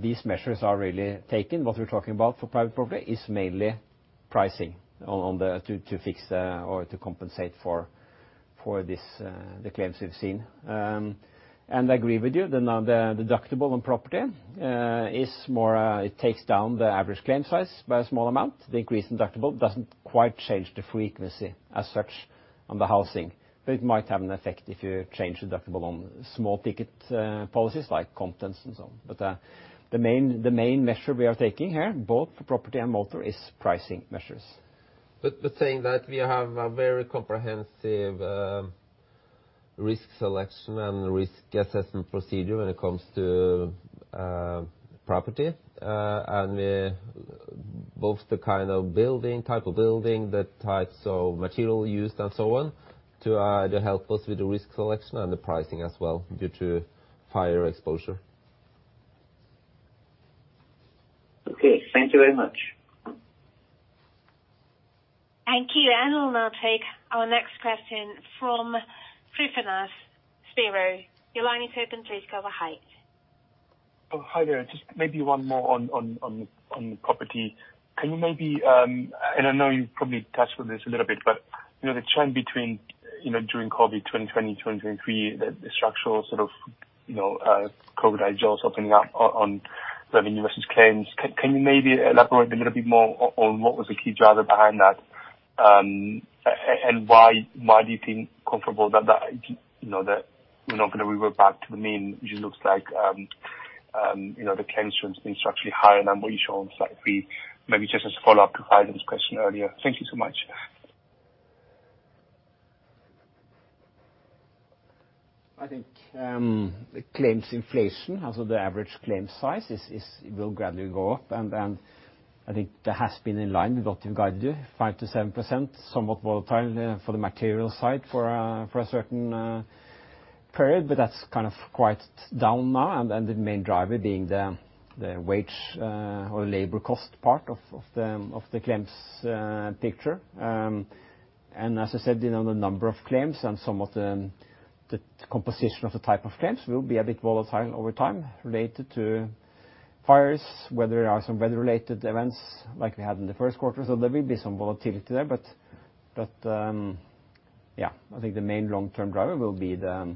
these measures are really taken. What we're talking about for private property is mainly pricing to fix or to compensate for the claims we've seen. And I agree with you, the deductible on property is more, it takes down the average claim size by a small amount. The increase in deductible doesn't quite change the frequency as such on the housing, but it might have an effect if you change the deductible on small ticket policies like contents and so on. But the main measure we are taking here, both for property and motor, is pricing measures. But saying that, we have a very comprehensive risk selection and risk assessment procedure when it comes to property. And both the kind of building, type of building, the types of material used, and so on, to help us with the risk selection and the pricing as well, due to higher exposure. Okay. Thank you very much. Thank you. We'll now take our next question from Tryfonas Spyrou. Your line is open, please go ahead. Oh, hi there. Just maybe one more on property. Can you maybe, and I know you probably touched on this a little bit, but, you know, the trend between, you know, during COVID 2020, 2023, the structural sort of, you know, COVID eye jaws opening up on revenue versus claims. Can you maybe elaborate a little bit more on what was the key driver behind that? And why do you feel comfortable that that, you know, that we're not going to revert back to the mean? It looks like, you know, the claims trends being structurally higher than what you saw on site B. Maybe just as a follow-up to Ivan's question earlier. Thank you so much. I think, the claims inflation, as of the average claim size, is will gradually go up, and then I think that has been in line with what we guided you, 5%-7%, somewhat volatile, for the material side, for a certain period, but that's kind of quite down now, and the main driver being the wage or labor cost part of the claims picture. And as I said, you know, the number of claims and some of the composition of the type of claims will be a bit volatile over time related to fires, whether there are some weather-related events like we had in the first quarter. So there will be some volatility there, but yeah, I think the main long-term driver will be the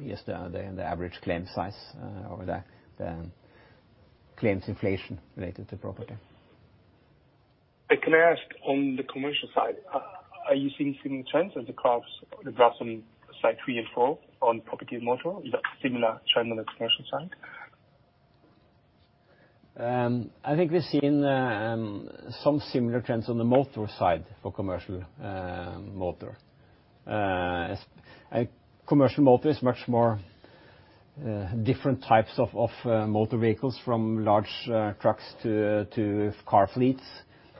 average claim size or the claims inflation related to property. Can I ask on the commercial side, are you seeing similar trends as the curves, the graphs on slide 3 and 4 on property and motor, is that similar trend on the commercial side? I think we've seen some similar trends on the motor side for commercial motor. Commercial motor is much more different types of motor vehicles, from large trucks to car fleets.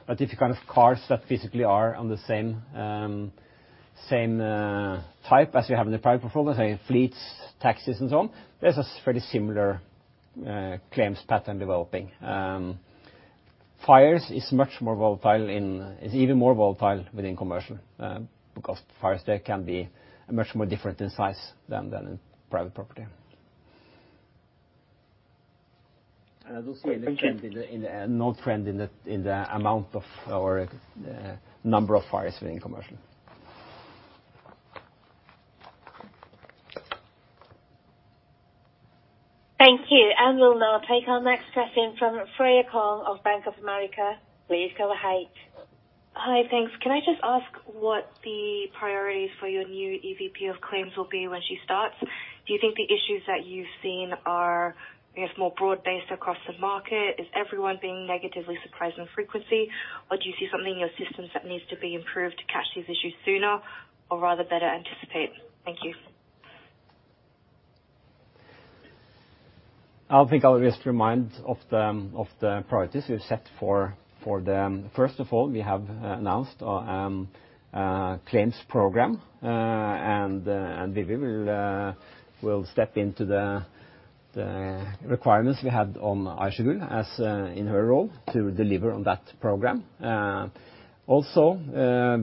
But if you kind of cars that physically are on the same type as you have in the private portfolio, say, fleets, taxis, and so on, there's a fairly similar claims pattern developing. Fires is much more volatile in... is even more volatile within commercial because fires there can be much more different in size than in private property. And those will change in the no trend in the amount of or number of fires within commercial. Thank you. And we'll now take our next question from Freya Kong of Bank of America. Please go ahead. Hi, thanks. Can I just ask what the priorities for your new EVP of claims will be when she starts? Do you think the issues that you've seen are, I guess, more broad-based across the market? Is everyone being negatively surprised in frequency, or do you see something in your systems that needs to be improved to catch these issues sooner or rather better anticipate? Thank you. I think I'll just remind of the priorities we've set for them. First of all, we have announced a claims program, and Vivi will step into the requirements we had on Aysegül in her role to deliver on that program. Also,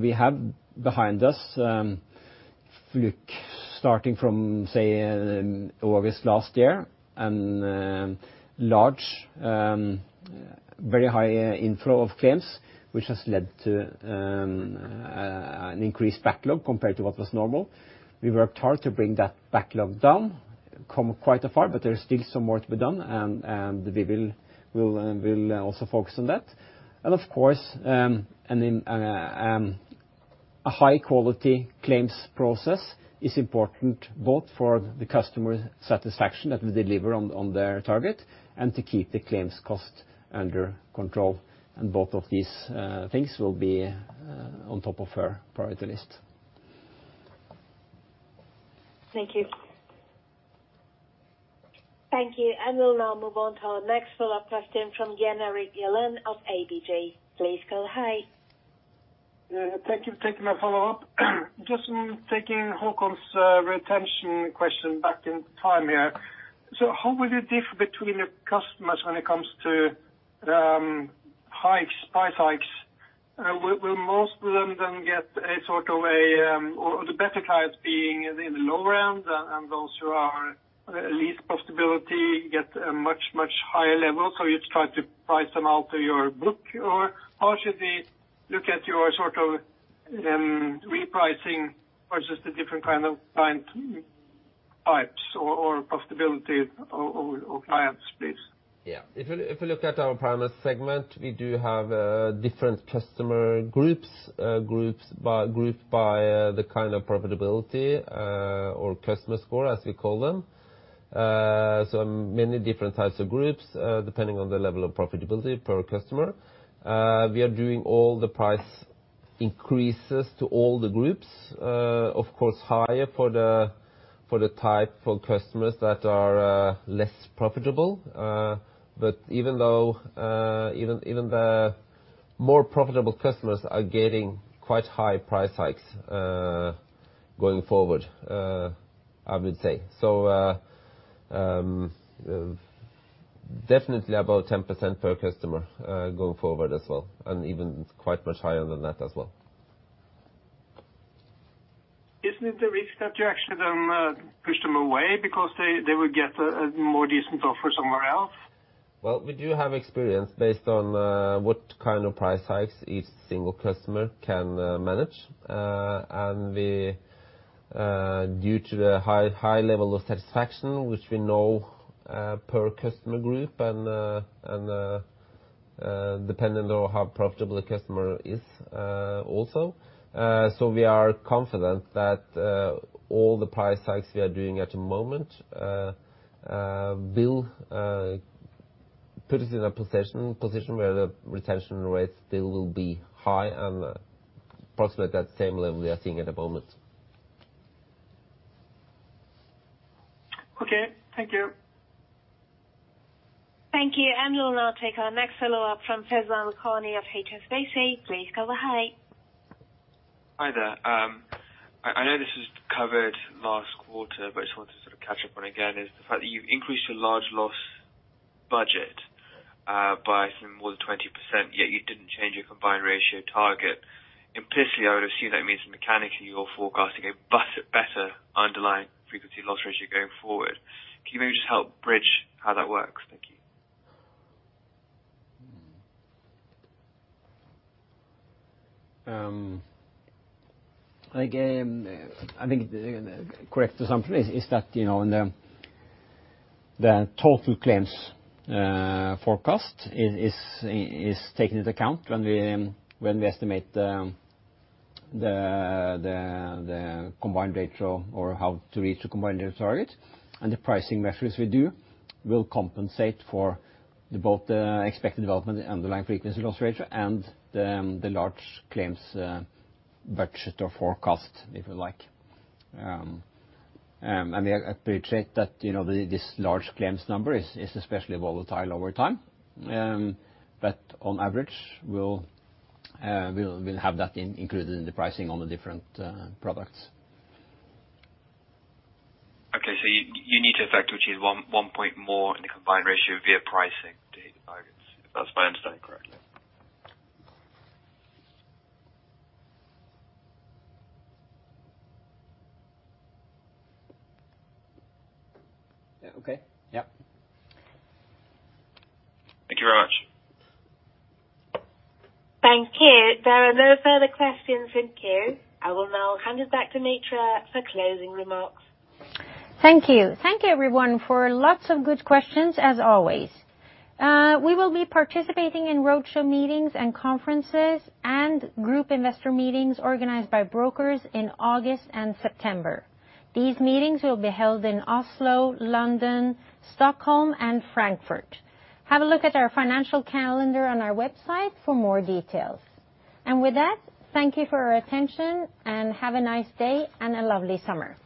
we have behind us, starting from, say, August last year, large, very high inflow of claims, which has led to an increased backlog compared to what was normal. We worked hard to bring that backlog down, come quite afar, but there is still some more to be done, and we will also focus on that. Of course, a high quality claims process is important both for the customer satisfaction that we deliver on their target and to keep the claims cost under control. And both of these things will be on top of our priority list. Thank you. Thank you. We'll now move on to our next follow-up question from Jan Erik Gjerland of ABG. Please go ahead. Thank you for taking my follow-up. Just taking Håkon's retention question back in time here. So how will you diff between your customers when it comes to hikes, price hikes? Will, will most of them then get a sort of a or the better clients being in the low end, and, and those who are least profitability get a much, much higher level, so you try to price them out to your book? Or how should we look at your sort of repricing versus the different kind of client types or, or, or clients, please? Yeah. If you look at our private segment, we do have different customer groups, grouped by the kind of profitability, or customer score, as we call them. So many different types of groups, depending on the level of profitability per customer. We are doing all the price increases to all the groups, of course, higher for the type of customers that are less profitable. But even though, even the more profitable customers are getting quite high price hikes, going forward, I would say. So, definitely about 10% per customer, going forward as well, and even quite much higher than that as well. Isn't it the risk that you actually then push them away because they will get a more decent offer somewhere else? Well, we do have experience based on what kind of price hikes each single customer can manage. And we, due to the high, high level of satisfaction, which we know per customer group and depending on how profitable the customer is, also. So we are confident that all the price hikes we are doing at the moment will put us in a position where the retention rates still will be high and approximately at the same level we are seeing at the moment. Okay, thank you. Thank you. We'll now take our next follow-up from Faizan Lakhani of HSBC. Please go ahead. Hi there. I know this was covered last quarter, but I just wanted to sort of catch up on again, is the fact that you've increased your large loss budget by more than 20%, yet you didn't change your combined ratio target. Implicitly, I would assume that means mechanically, you're forecasting a better underlying frequency loss ratio going forward. Can you maybe just help bridge how that works? Thank you. Again, I think the correct assumption is that, you know, in the total claims forecast is taking into account when we estimate the combined ratio or how to reach the combined ratio target. And the pricing measures we do will compensate for the both the expected development, the underlying frequency loss ratio, and the large claims budget or forecast, if you like. And we appreciate that, you know, this large claims number is especially volatile over time. But on average, we'll have that included in the pricing on the different products. Okay. So you need to affect, which is one point more in the combined ratio via pricing to hit the targets, if that's my understanding correctly? Yeah. Okay. Yep. Thank you very much. Thank you. There are no further questions in queue. I will now hand it back to Mitra for closing remarks. Thank you. Thank you, everyone, for lots of good questions as always. We will be participating in roadshow meetings and conferences, and group investor meetings organized by brokers in August and September. These meetings will be held in Oslo, London, Stockholm and Frankfurt. Have a look at our financial calendar on our website for more details. And with that, thank you for your attention and have a nice day and a lovely summer.